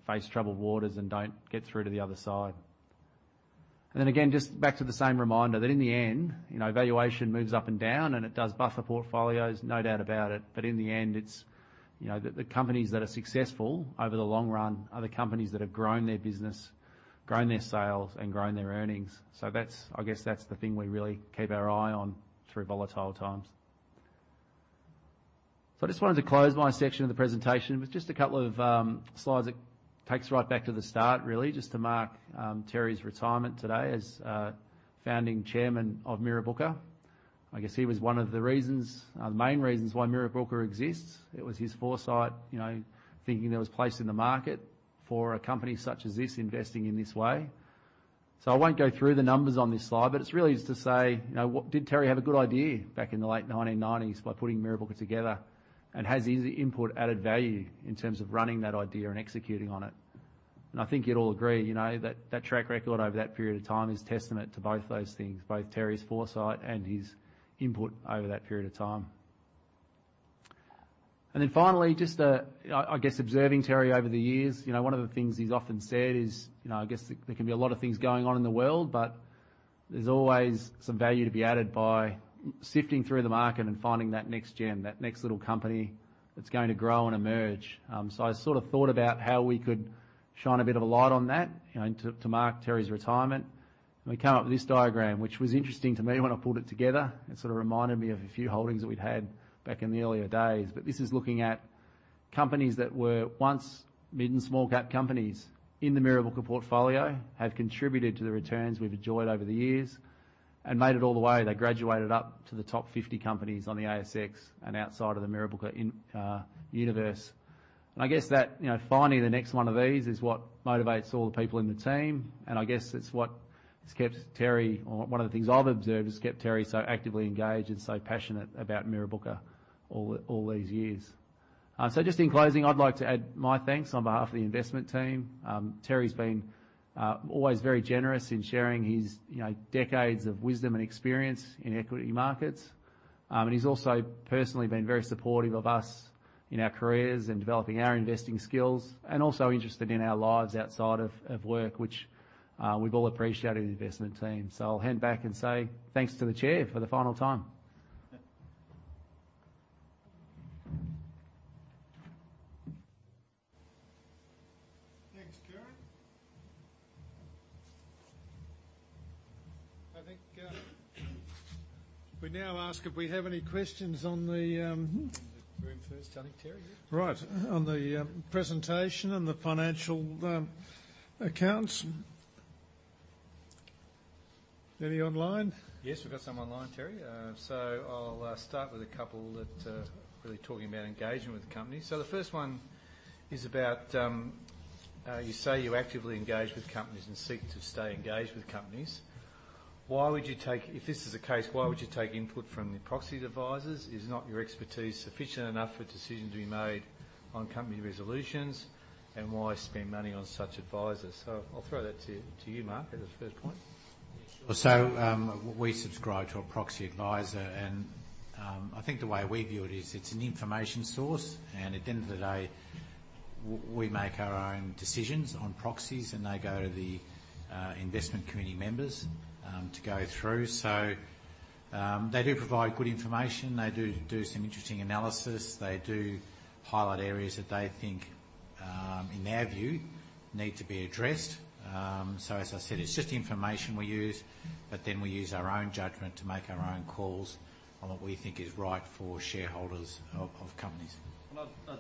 face troubled waters and don't get through to the other side. Then again, just back to the same reminder, that in the end valuation moves up and down, and it does buff the portfolios, no doubt about it. In the end, it's the companies that are successful over the long run are the companies that have grown their business, grown their sales, and grown their earnings. That's, I guess, the thing we really keep our eye on through volatile times. I just wanted to close my section of the presentation with just a couple of slides that takes right back to the start, really, just to mark Terry's retirement today as founding chairman of Mirrabooka. I guess he was one of the main reasons why Mirrabooka exists. It was his foresight thinking there was place in the market for a company such as this investing in this way. I won't go through the numbers on this slide, but it's really is to say, you know what, did Terry have a good idea back in the late 1990s by putting Mirrabooka together? And has his input added value in terms of running that idea and executing on it? I think you'd all agree that that track record over that period of time is testament to both those things, both Terry's foresight and his input over that period of time. Finally, just, I guess observing Terry over the years one of the things he's often said is I guess there can be a lot of things going on in the world, but there's always some value to be added by sifting through the market and finding that next gem, that next little company that's going to grow and emerge. I sort of thought about how we could shine a bit of a light on that and to mark Terry's retirement. We came up with this diagram, which was interesting to me when I pulled it together. It sort of reminded me of a few holdings that we'd had back in the earlier days. This is looking at companies that were once mid- and small-cap companies in the Mirrabooka portfolio, have contributed to the returns we've enjoyed over the years and made it all the way. They graduated up to the top 50 companies on the ASX and outside of the Mirrabooka investment universe. I guess that finding the next one of these is what motivates all the people in the team, and I guess it's what has kept Terry, or one of the things I've observed, has kept Terry so actively engaged and so passionate about Mirrabooka all these years. Just in closing, I'd like to add my thanks on behalf of the investment team. Terry's been always very generous in sharing his decades of wisdom and experience in equity markets. He's also personally been very supportive of us in our careers and developing our investing skills, and also interested in our lives outside of work, which we've all appreciated in the investment team. I'll hand back and say thanks to the chair for the final time. Thanks, Kieran. I think, we now ask if we have any questions on the, In the room first, I think Terry, yeah? Right. On the presentation and the financial accounts. Anyone online? Yes, we've got some online, Terry. I'll start with a couple that are really talking about engagement with the company. The first one is about you say you actively engage with companies and seek to stay engaged with companies. If this is the case, why would you take input from proxy advisors? Is not your expertise sufficient enough for decisions to be made on company resolutions? Why spend money on such advisors? I'll throw that to you, Mark, as a first point. Yeah, sure. We subscribe to a proxy advisor, and I think the way we view it is it's an information source, and at the end of the day, we make our own decisions on proxies, and they go to the investment committee members to go through. They provide good information. They do some interesting analysis. They highlight areas that they think, in their view, need to be addressed. As I said, it's just information we use, but then we use our own judgment to make our own calls on what we think is right for shareholders of companies. Well, I'd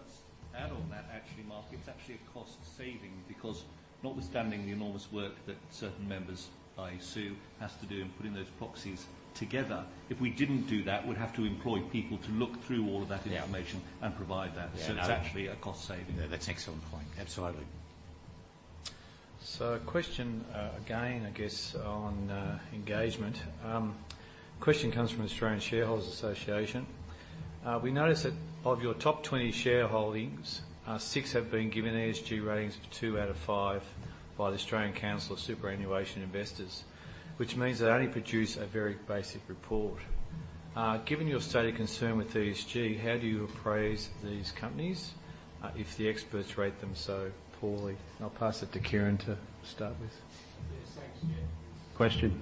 add on that actually, Mark. It's actually a cost saving because notwithstanding the enormous work that certain members, I assume, has to do in putting those proxies together, if we didn't do that, we'd have to employ people to look through all of that information. Yeah. Provide that. Yeah, no. It's actually a cost saving. No, that's excellent point. Absolutely. A question, again, I guess on engagement. Question comes from Australian Shareholders' Association. We notice that of your top 20 shareholdings, 6 have been given ESG ratings of 2 out of 5 by the Australian Council of Superannuation Investors, which means they only produce a very basic report. Given your stated concern with ESG, how do you appraise these companies, if the experts rate them so poorly? I'll pass it to Kieran to start with. Yeah, thanks, yeah, for this. Question.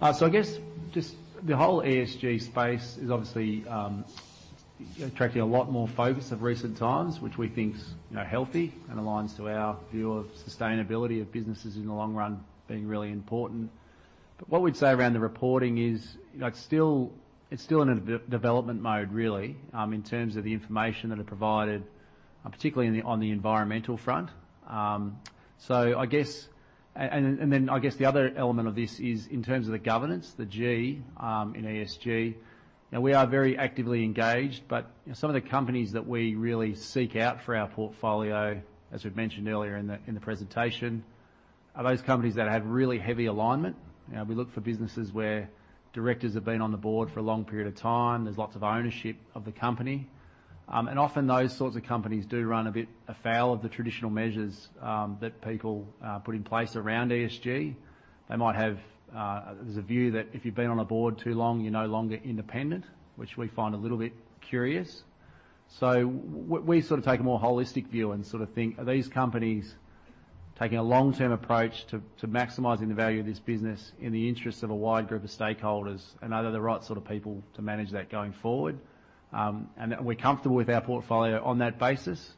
I guess just the whole ESG space is obviously attracting a lot more focus in recent times, which we think is healthy and aligns to our view of sustainability of businesses in the long run being really important. What we'd say around the reporting is it's still in a development mode really, in terms of the information that are provided, and particularly in the, on the environmental front. And then I guess the other element of this is in terms of the governance, the G, in ESG. Now we are very actively engaged, but some of the companies that we really seek out for our portfolio, as we've mentioned earlier in the, in the presentation, are those companies that have really heavy alignment. You know, we look for businesses where directors have been on the board for a long period of time, there's lots of ownership of the company. And often those sorts of companies do run a bit afoul of the traditional measures that people put in place around ESG. They might have, there's a view that if you've been on a board too long, you're no longer independent, which we find a little bit curious. We sort of take a more holistic view and sort of think, are these companies taking a long-term approach to maximizing the value of this business in the interest of a wide group of stakeholders? Are they the right sort of people to manage that going forward? We're comfortable with our portfolio on that basis.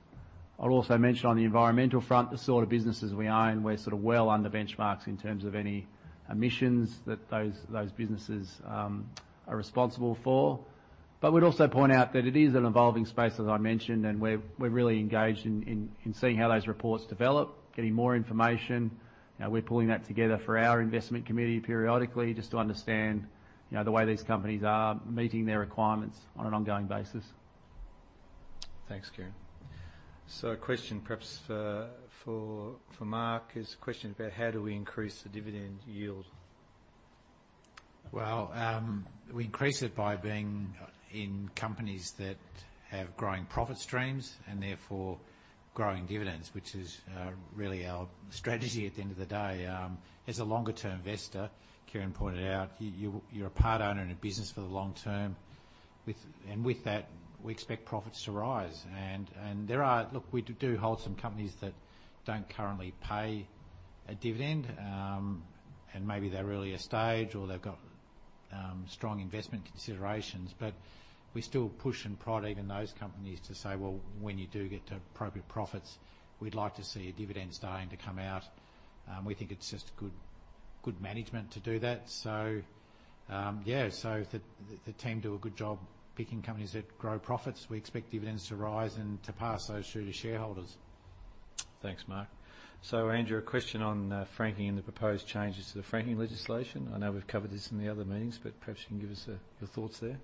I'll also mention on the environmental front, the sort of businesses we own, we're sort of well under benchmarks in terms of any emissions that those businesses are responsible for. We'd also point out that it is an evolving space, as I mentioned, and we're really engaged in seeing how those reports develop, getting more information. You know, we're pulling that together for our investment committee periodically just to understand the way these companies are meeting their requirements on an ongoing basis. Thanks, Kieran. A question perhaps for Mark is a question about how do we increase the dividend yield? Well, we increase it by being in companies that have growing profit streams, and therefore growing dividends, which is, really our strategy at the end of the day. As a longer term investor, Kieran pointed out, you're a part owner in a business for the long term. With that, we expect profits to rise. Look, we do hold some companies that don't currently pay a dividend. Maybe they're early stage or they've got, strong investment considerations. We still push and prod even those companies to say, "Well, when you do get to appropriate profits, we'd like to see dividends starting to come out." We think it's just good management to do that. Yeah. The team do a good job picking companies that grow profits. We expect dividends to rise and to pass those through to shareholders. Thanks, Mark. Andrew, a question on franking and the proposed changes to the franking legislation. I know we've covered this in the other meetings, but perhaps you can give us your thoughts there.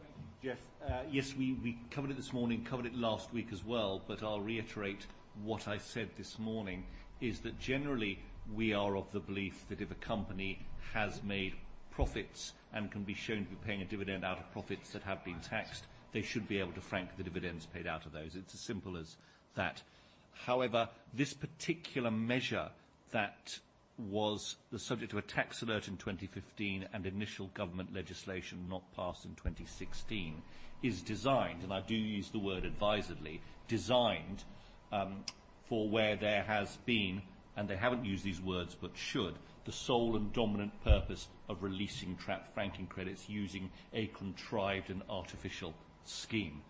Thank you, Jeff. Yes, we covered it this morning, covered it last week as well, but I'll reiterate what I said this morning, is that generally we are of the belief that if a company has made profits and can be shown to be paying a dividend out of profits that have been taxed, they should be able to frank the dividends paid out of those. It's as simple as that. However, this particular measure that was the subject of a tax alert in 2015 and initial government legislation not passed in 2016 is designed, and I do use the word advisedly, designed, for where there has been, and they haven't used these words, but should, the sole and dominant purpose of releasing trapped franking credits using a contrived and artificial scheme.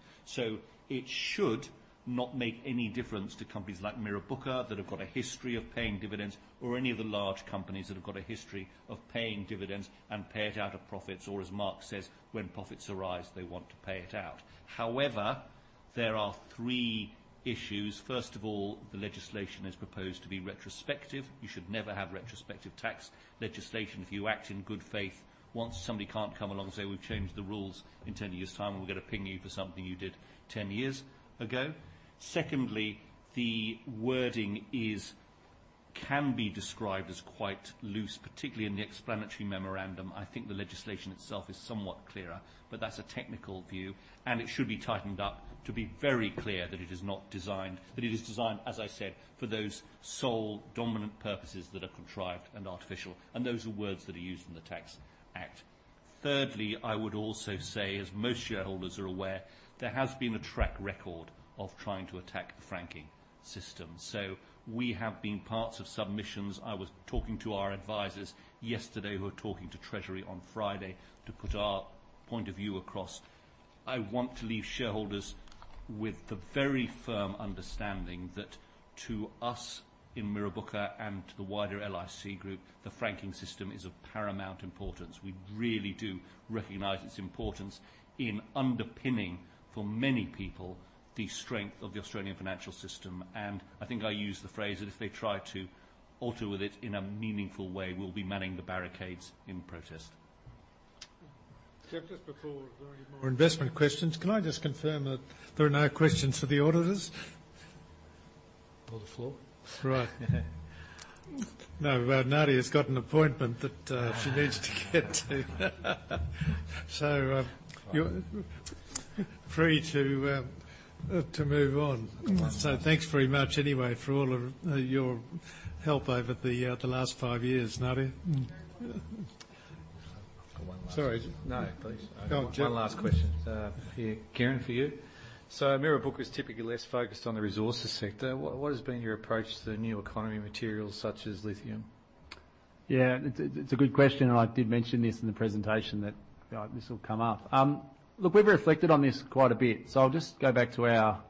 It should not make any difference to companies like Mirrabooka that have got a history of paying dividends or any of the large companies that have got a history of paying dividends and pay it out of profits, or as Mark says, when profits arise, they want to pay it out. However, there are three issues. First of all, the legislation is proposed to be retrospective. You should never have retrospective tax legislation if you act in good faith. Once somebody can't come along and say, "We've changed the rules in ten years' time, and we're going to ping you for something you did ten years ago." Secondly, the wording can be described as quite loose, particularly in the explanatory memorandum. I think the legislation itself is somewhat clearer. That's a technical view, and it should be tightened up to be very clear that it is not designed. that it is designed, as I said, for those sole dominant purposes that are contrived and artificial, and those are words that are used in the Tax Act. Thirdly, I would also say, as most shareholders are aware, there has been a track record of trying to attack the franking system. We have been party to submissions. I was talking to our advisors yesterday who are talking to Treasury on Friday to put our point of view across. I want to leave shareholders with the very firm understanding that to us in Mirrabooka and to the wider LIC group, the franking system is of paramount importance. We really do recognize its importance in underpinning, for many people, the strength of the Australian financial system. I think I use the phrase that if they try to alter with it in a meaningful way, we'll be manning the barricades in protest. Jeff, just before there are any more investment questions, can I just confirm that there are no questions for the auditors? On the floor. Right. No, Nadia's got an appointment that she needs to get to. You're free to move on. Thanks very much anyway for all of your help over the last five years, Nadia. One last- Sorry. No, please. Oh, Jeff. One last question. Kieran, for you. Mirrabooka is typically less focused on the resources sector. What has been your approach to the new economy materials such as lithium? Yeah. It's a good question, and I did mention this in the presentation that this will come up. Look, we've reflected on this quite a bit. I'll just go back to our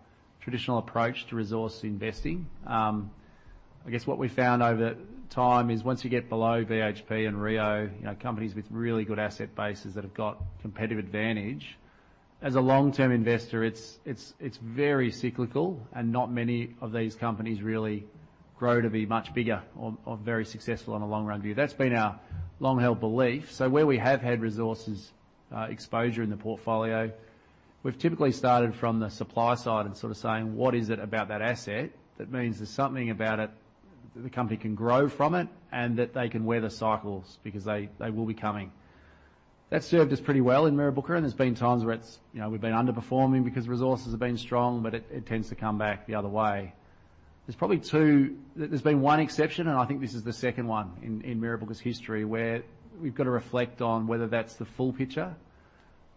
traditional approach to resource investing. I guess what we've found over time is once you get below BHP and Rio companies with really good asset bases that have got competitive advantage, as a long-term investor, it's very cyclical and not many of these companies really grow to be much bigger or very successful on a long run view. That's been our long-held belief. Where we have had resources exposure in the portfolio, we've typically started from the supply side and sort of saying, "What is it about that asset that means there's something about it the company can grow from it, and that they can weather cycles because they will be coming?" That served us pretty well in Mirrabooka, and there's been times where it's we've been underperforming because resources have been strong, but it tends to come back the other way. There's been one exception, and I think this is the second one in Mirrabooka's history, where we've got to reflect on whether that's the full picture.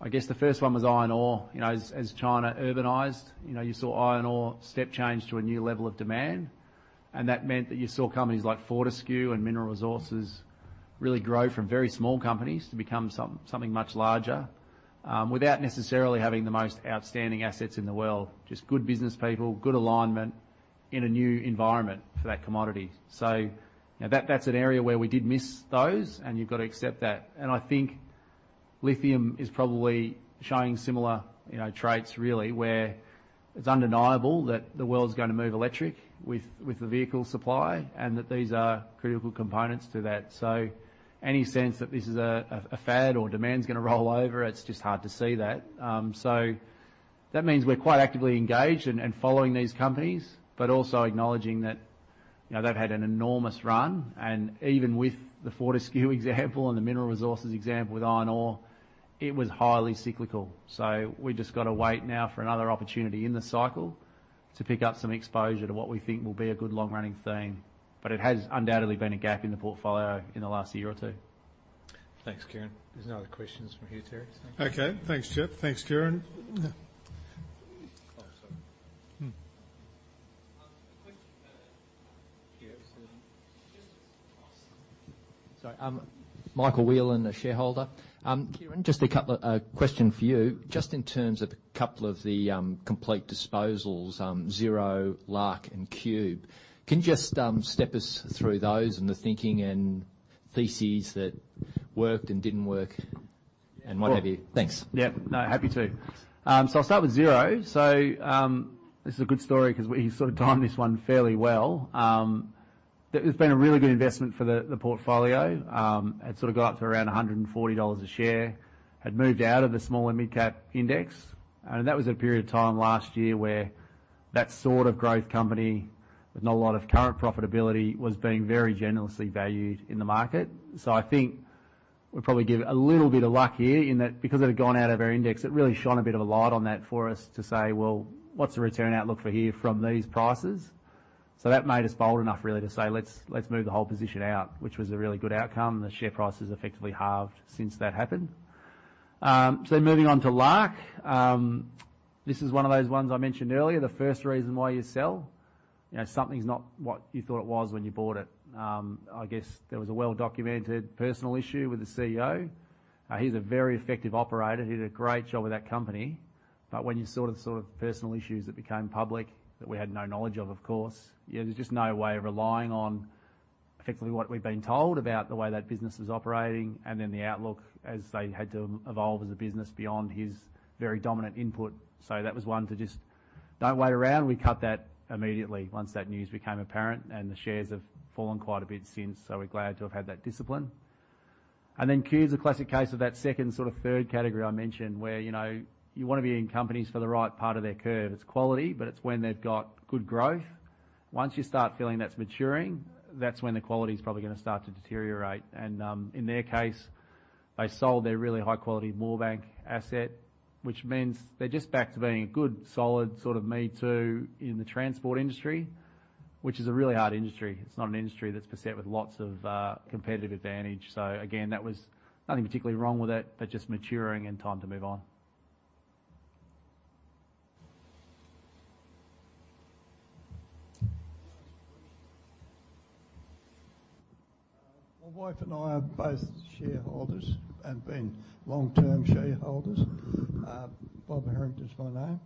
I guess the first one was iron ore. You know, as China urbanized you saw iron ore step change to a new level of demand. That meant that you saw companies like Fortescue and Mineral Resources really grow from very small companies to become something much larger, without necessarily having the most outstanding assets in the world. Just good business people, good alignment in a new environment for that commodity. You know, that's an area where we did miss those, and you've got to accept that. I think lithium is probably showing similar traits really, where it's undeniable that the world's going to move electric with the vehicle supply and that these are critical components to that. Any sense that this is a fad or demand's going to roll over, it's just hard to see that. That means we're quite actively engaged and following these companies, but also acknowledging that they've had an enormous run. Even with the Fortescue example and the Mineral Resources example with iron ore, it was highly cyclical. We've just got to wait now for another opportunity in the cycle to pick up some exposure to what we think will be a good long-running theme. It has undoubtedly been a gap in the portfolio in the last year or two. Thanks, Kieran. There's no other questions from here, Terry. Okay. Thanks, Chip. Thanks, Kieran. Oh, sorry. A quick, Kieran. Just- Sorry. Michael Whelan, a shareholder. Kieran, just a couple of question for you. Just in terms of a couple of the complete disposals, Xero, Lark and Qube, can you just step us through those and the thinking and theses that worked and didn't work and what have you? Thanks. Yeah. No, happy to. This is a good story 'cause we sort of timed this one fairly well. It's been a really good investment for the portfolio. It sort of got up to around 140 dollars a share, had moved out of the small and mid-cap index. That was a period of time last year where that sort of growth company with not a lot of current profitability was being very generously valued in the market. I think we'll probably had a little bit of luck here in that because it had gone out of our index, it really shone a bit of a light on that for us to say, "Well, what's the return outlook for here from these prices?" That made us bold enough really to say, "Let's move the whole position out," which was a really good outcome. The share price has effectively halved since that happened. Moving on to Lark. This is one of those ones I mentioned earlier, the first reason why you sell. You know, something's not what you thought it was when you bought it. I guess there was a well-documented personal issue with the CEO. He's a very effective operator. He did a great job with that company. When you saw the sort of personal issues that became public that we had no knowledge of course, yeah, there's just no way of relying on effectively what we'd been told about the way that business was operating and then the outlook as they had to evolve as a business beyond his very dominant input. That was one to just don't wait around. We cut that immediately once that news became apparent, and the shares have fallen quite a bit since. We're glad to have had that discipline. Then Qube's a classic case of that second sort of third category I mentioned, where you want to be in companies for the right part of their curve. It's quality, but it's when they've got good growth. Once you start feeling that's maturing, that's when the quality's probably going to start to deteriorate. In their case, they sold their really high quality Moorebank asset, which means they're just back to being a good, solid sort of me too in the transport industry, which is a really hard industry. It's not an industry that's beset with lots of competitive advantage. Again, that was nothing particularly wrong with it, but just maturing and time to move on. My wife and I are both shareholders and been long-term shareholders. Bob Harrington is my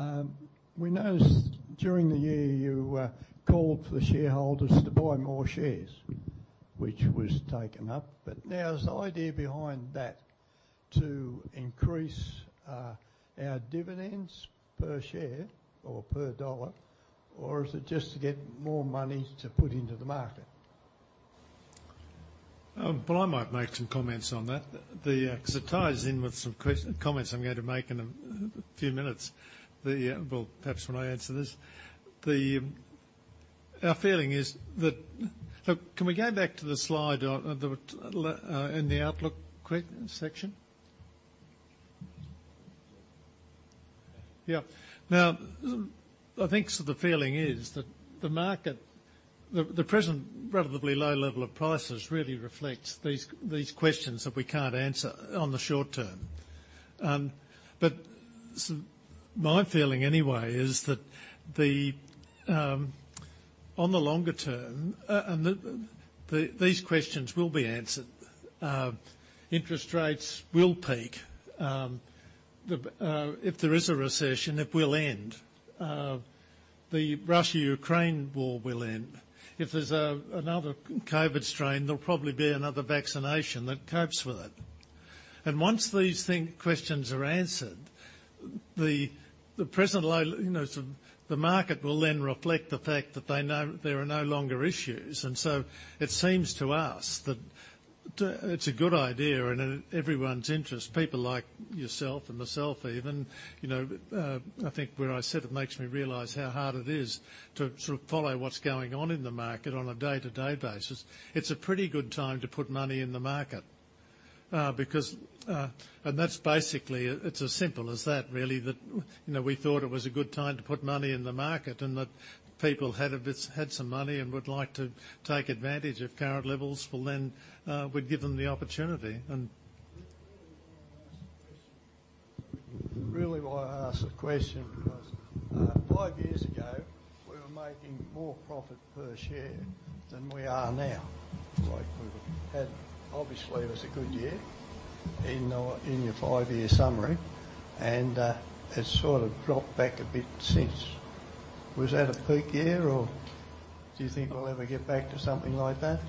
name. We noticed during the year you called for the shareholders to buy more shares, which was taken up. Now is the idea behind that to increase our dividends per share or per dollar, or is it just to get more money to put into the market? Well, I might make some comments on that. Because it ties in with some comments I'm going to make in a few minutes. Well, perhaps when I answer this. Our feeling is that. Look, can we go back to the slide in the outlook section? Yeah. Now, I think the feeling is that the market, the present relatively low level of prices really reflects these questions that we can't answer in the short term. But my feeling anyway is that the In the longer term, these questions will be answered. Interest rates will peak. If there is a recession, it will end. The Russia-Ukraine war will end. If there's another COVID strain, there'll probably be another vaccination that copes with it. Once these questions are answered, the present low the market will then reflect the fact that there are no longer issues. It seems to us that it's a good idea and in everyone's interest, people like yourself and myself even I think where I said it makes me realize how hard it is to sort of follow what's going on in the market on a day-to-day basis. It's a pretty good time to put money in the market because That's basically it. It's as simple as that, really. that we thought it was a good time to put money in the market, and that people had some money and would like to take advantage of current levels, well, then, we'd give them the opportunity and- Really why I asked the question was, five years ago, we were making more profit per share than we are now. Obviously it was a good year in your five-year summary, and it sort of dropped back a bit since. Was that a peak year, or do you think we'll ever get back to something like that?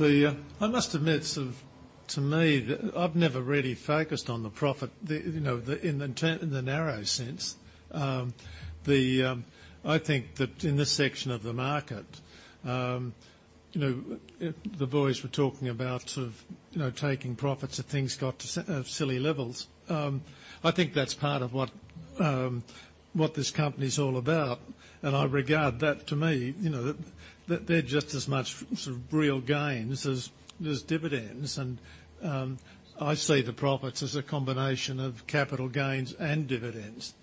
I must admit, sort of to me, I've never really focused on the profit in the narrow sense. I think that in this section of the market the boys were talking about sort of taking profits if things got to silly levels. I think that's part of what this company's all about, and I regard that to me they're just as much sort of real gains as dividends, and I see the profits as a combination of capital gains and dividends.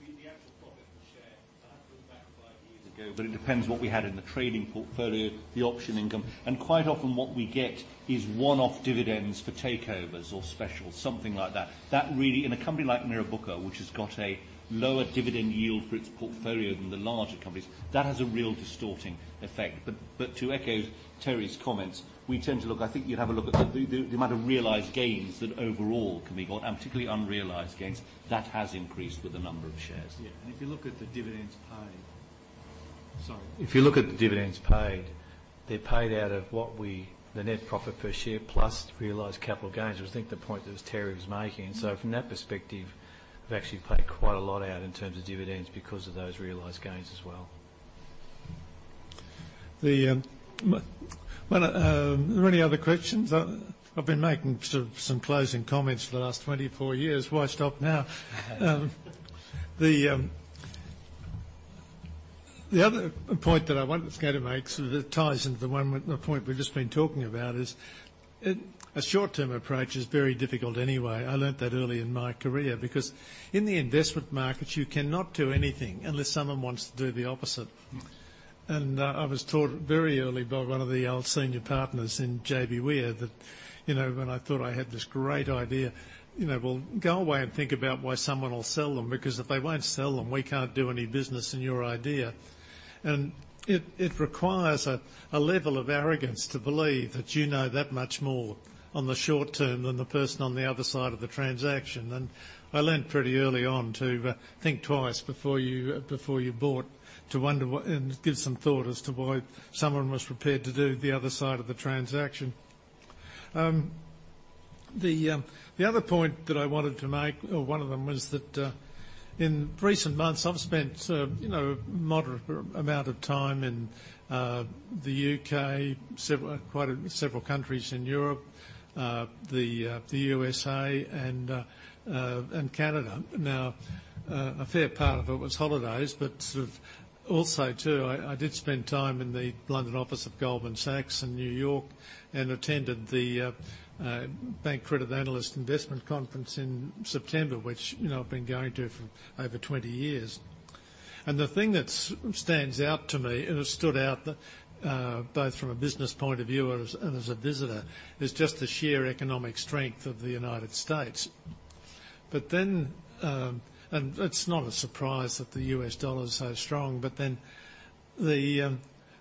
The actual profit per share, I have to look back five years ago, but it depends what we had in the trading portfolio, the option income, and quite often what we get is one-off dividends for takeovers or specials, something like that. That really, in a company like Mirrabooka, which has got a lower dividend yield for its portfolio than the larger companies, that has a real distorting effect. To echo Terry's comments, we tend to look. I think you'd have a look at the amount of realized gains that overall can be got, and particularly unrealized gains. That has increased with the number of shares. If you look at the dividends paid, they're paid out of the net profit per share plus realized capital gains. I think the point that Terry was making. From that perspective, we've actually paid quite a lot out in terms of dividends because of those realized gains as well. Are there any other questions? I've been making sort of some closing comments for the last 24 years. Why stop now? The other point that I was going to make sort of ties into the one. The point we've just been talking about is a short-term approach is very difficult anyway. I learned that early in my career because in the investment markets, you cannot do anything unless someone wants to do the opposite. Mm. I was taught very early by one of the old senior partners in JBWere that when I thought I had this great idea "Well, go away and think about why someone will sell them, because if they won't sell them, we can't do any business in your idea." It requires a level of arrogance to believe that you know that much more on the short term than the person on the other side of the transaction. I learnt pretty early on to think twice before you bought to wonder and give some thought as to why someone was prepared to do the other side of the transaction. The other point that I wanted to make, or one of them, was that in recent months, I've spent you know a moderate amount of time in the U.K., several countries in Europe, the USA and Canada. Now, a fair part of it was holidays, but sort of also too, I did spend time in the London office of Goldman Sachs and in New York and attended the Bank Credit Analyst Investment Conference in September, which you know I've been going to for over 20 years. The thing that stands out to me, and it stood out both from a business point of view and as a visitor, is just the sheer economic strength of the United States. It's not a surprise that the US dollar is so strong.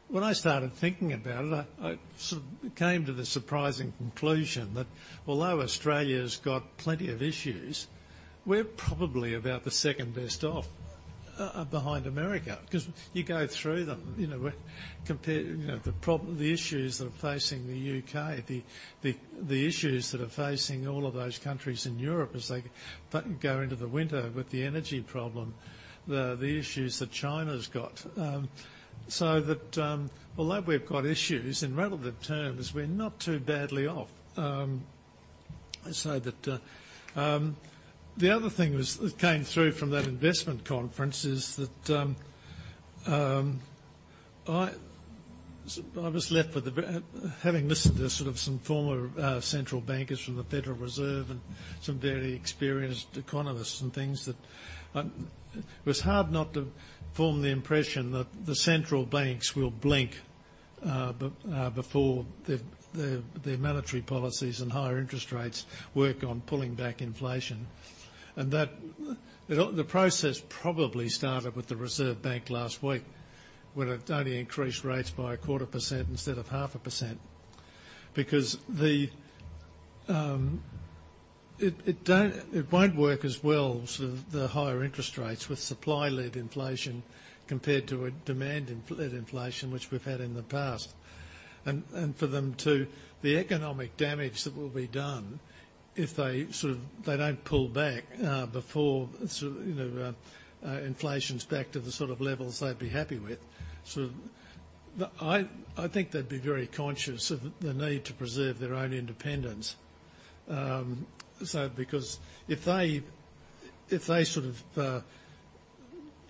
When I started thinking about it, I sort of came to the surprising conclusion that although Australia's got plenty of issues, we're probably about the second best off behind America. 'Cause you know, compare the problem, the issues that are facing the UK, the issues that are facing all of those countries in Europe as they go into the winter with the energy problem, the issues that China's got. So that although we've got issues, in relative terms, we're not too badly off. The other thing that came through from that investment conference is that I was left with the view, having listened to sort of some former central bankers from the Federal Reserve and some very experienced economists and things, that it was hard not to form the impression that the central banks will blink before the monetary policies and higher interest rates work on pulling back inflation. The process probably started with the Reserve Bank last week, when it only increased rates by 0.25% instead of 0.5%. Because it won't work as well, sort of the higher interest rates with supply-led inflation compared to a demand-led inflation, which we've had in the past. For them to. The economic damage that will be done if they don't pull back before inflation's back to the sort of levels they'd be happy with. I think they'd be very conscious of the need to preserve their own independence. Because if they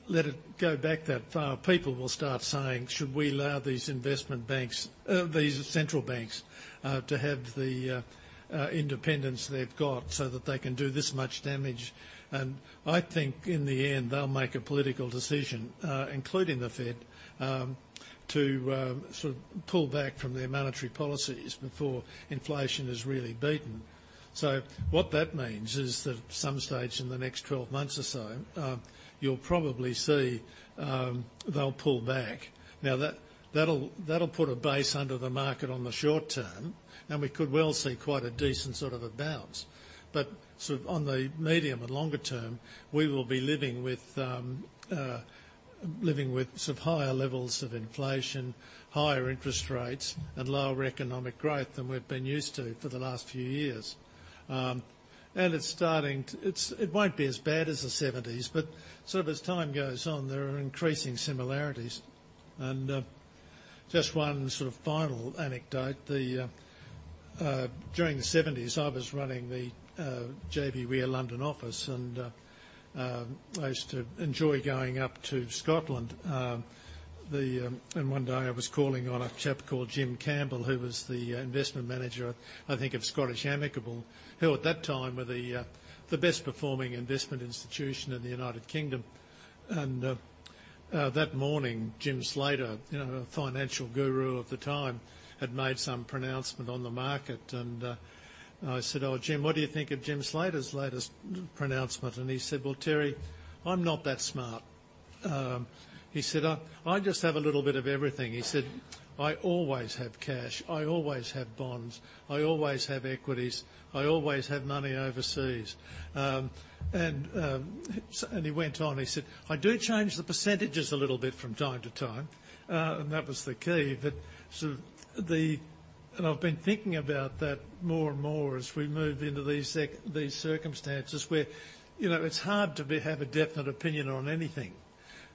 let it go back that far, people will start saying, "Should we allow these investment banks, these central banks, to have the independence they've got so that they can do this much damage?" I think in the end, they'll make a political decision, including the Fed, to pull back from their monetary policies before inflation is really beaten. What that means is that at some stage in the next 12 months or so, you'll probably see, they'll pull back. Now, that'll put a base under the market on the short term, and we could well see quite a decent sort of a bounce. Sort of on the medium and longer term, we will be living with some higher levels of inflation, higher interest rates, and lower economic growth than we've been used to for the last few years. It's starting to. It won't be as bad as the 1970s, but sort of as time goes on, there are increasing similarities. Just one sort of final anecdote. During the 1970s, I was running the JBWere London office, and I used to enjoy going up to Scotland. One day I was calling on a chap called Jim Campbell, who was the investment manager, I think, of Scottish Amicable. Who at that time were the best performing investment institution in the United Kingdom. That morning, Jim slater a financial guru of the time, had made some pronouncement on the market. I said, "Oh, Jim, what do you think of Jim Slater's latest pronouncement?" He said, "Well, Terry, I'm not that smart." He said, "I just have a little bit of everything." He said, "I always have cash. I always have bonds. I always have equities. I always have money overseas." He went on, he said, "I do change the percentages a little bit from time to time." That was the key. I've been thinking about that more and more as we move into these circumstances where it's hard to have a definite opinion on anything.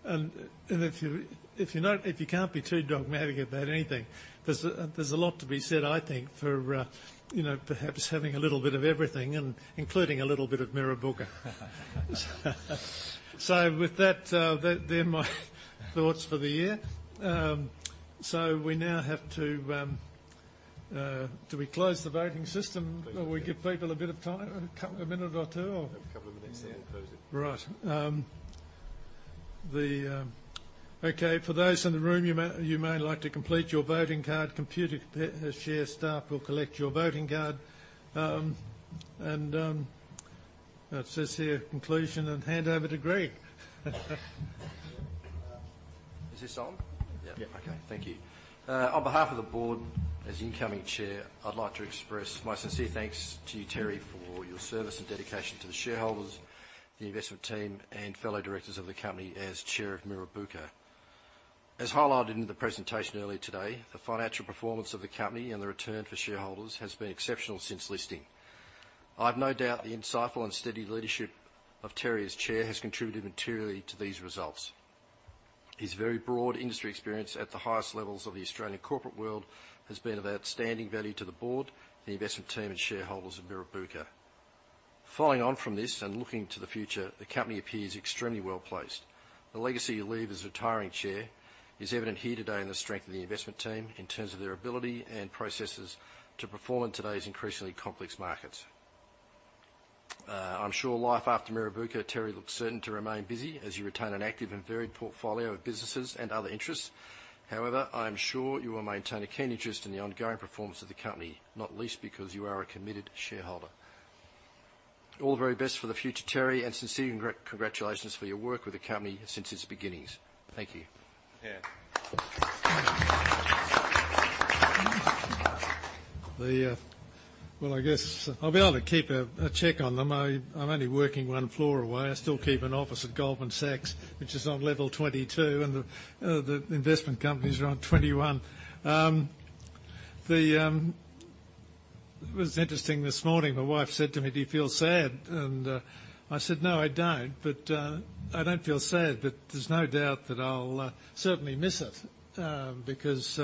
If you can't be too dogmatic about anything, there's a lot to be said, I think, for perhaps having a little bit of everything and including a little bit of Mirrabooka. With that, they're my thoughts for the year. We now have to. Do we close the voting system? Please do. We give people a bit of time? A minute or two or? A couple of minutes, then we'll close it. Right. For those in the room, you may like to complete your voting card. Computershare staff will collect your voting card. It says here, "Conclusion and handover to Greg. Is this on? Yeah. Okay. Thank you. On behalf of the board, as incoming chair, I'd like to express my sincere thanks to you, Terry, for your service and dedication to the shareholders, the investment team and fellow directors of the company as chair of Mirrabooka. As highlighted in the presentation earlier today, the financial performance of the company and the return for shareholders has been exceptional since listing. I have no doubt the insightful and steady leadership of Terry as chair has contributed materially to these results. His very broad industry experience at the highest levels of the Australian corporate world has been of outstanding value to the board, the investment team and shareholders of Mirrabooka. Following on from this and looking to the future, the company appears extremely well-placed. The legacy you leave as retiring chair is evident here today in the strength of the investment team in terms of their ability and processes to perform in today's increasingly complex markets. I'm sure life after Mirrabooka, Terry, looks certain to remain busy as you retain an active and varied portfolio of businesses and other interests. However, I am sure you will maintain a keen interest in the ongoing performance of the company, not least because you are a committed shareholder. All the very best for the future, Terry, and sincere congratulations for your work with the company since its beginnings. Thank you. Yeah. Well, I guess I'll be able to keep a check on them. I'm only working one floor away. I still keep an office at Goldman Sachs, which is on level 22, and the investment company's on 21. It was interesting this morning. My wife said to me, "Do you feel sad?" I said, "No, I don't," but I don't feel sad, but there's no doubt that I'll certainly miss it, because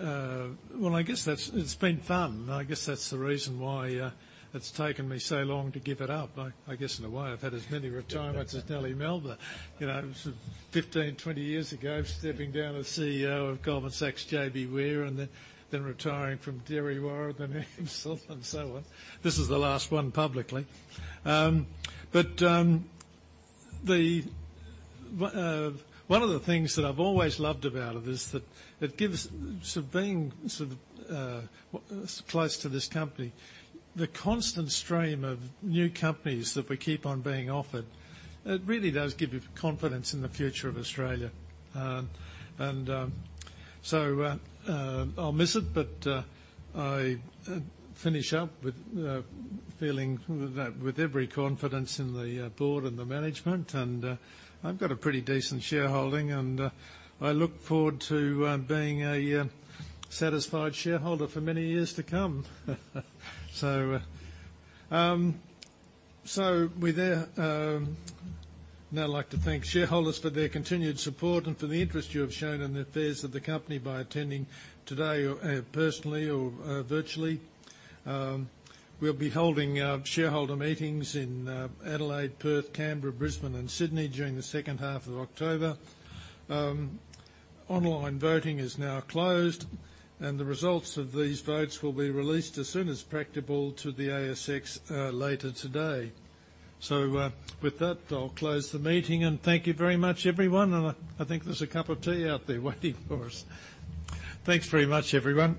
it's been fun. I guess that's the reason why it's taken me so long to give it up. I guess in a way, I've had as many retirements as Nellie Melba. You know, sort of 15, 20 years ago, stepping down as CEO of Goldman Sachs JBWere and then retiring from Djerriwarrh, then AICS and so on. This is the last one publicly. One of the things that I've always loved about it is that it gives being close to this company. The constant stream of new companies that we keep on being offered, it really does give you confidence in the future of Australia. I'll miss it, but I finish up with feeling that with every confidence in the board and the management and I've got a pretty decent shareholding and I look forward to being a satisfied shareholder for many years to come. With that, I'd like to thank shareholders for their continued support and for the interest you have shown in the affairs of the company by attending today or personally or virtually. We'll be holding shareholder meetings in Adelaide, Perth, Canberra, Brisbane and Sydney during the second half of October. Online voting is now closed, and the results of these votes will be released as soon as practicable to the ASX later today. With that, I'll close the meeting and thank you very much, everyone, and I think there's a cup of tea out there waiting for us. Thanks very much, everyone.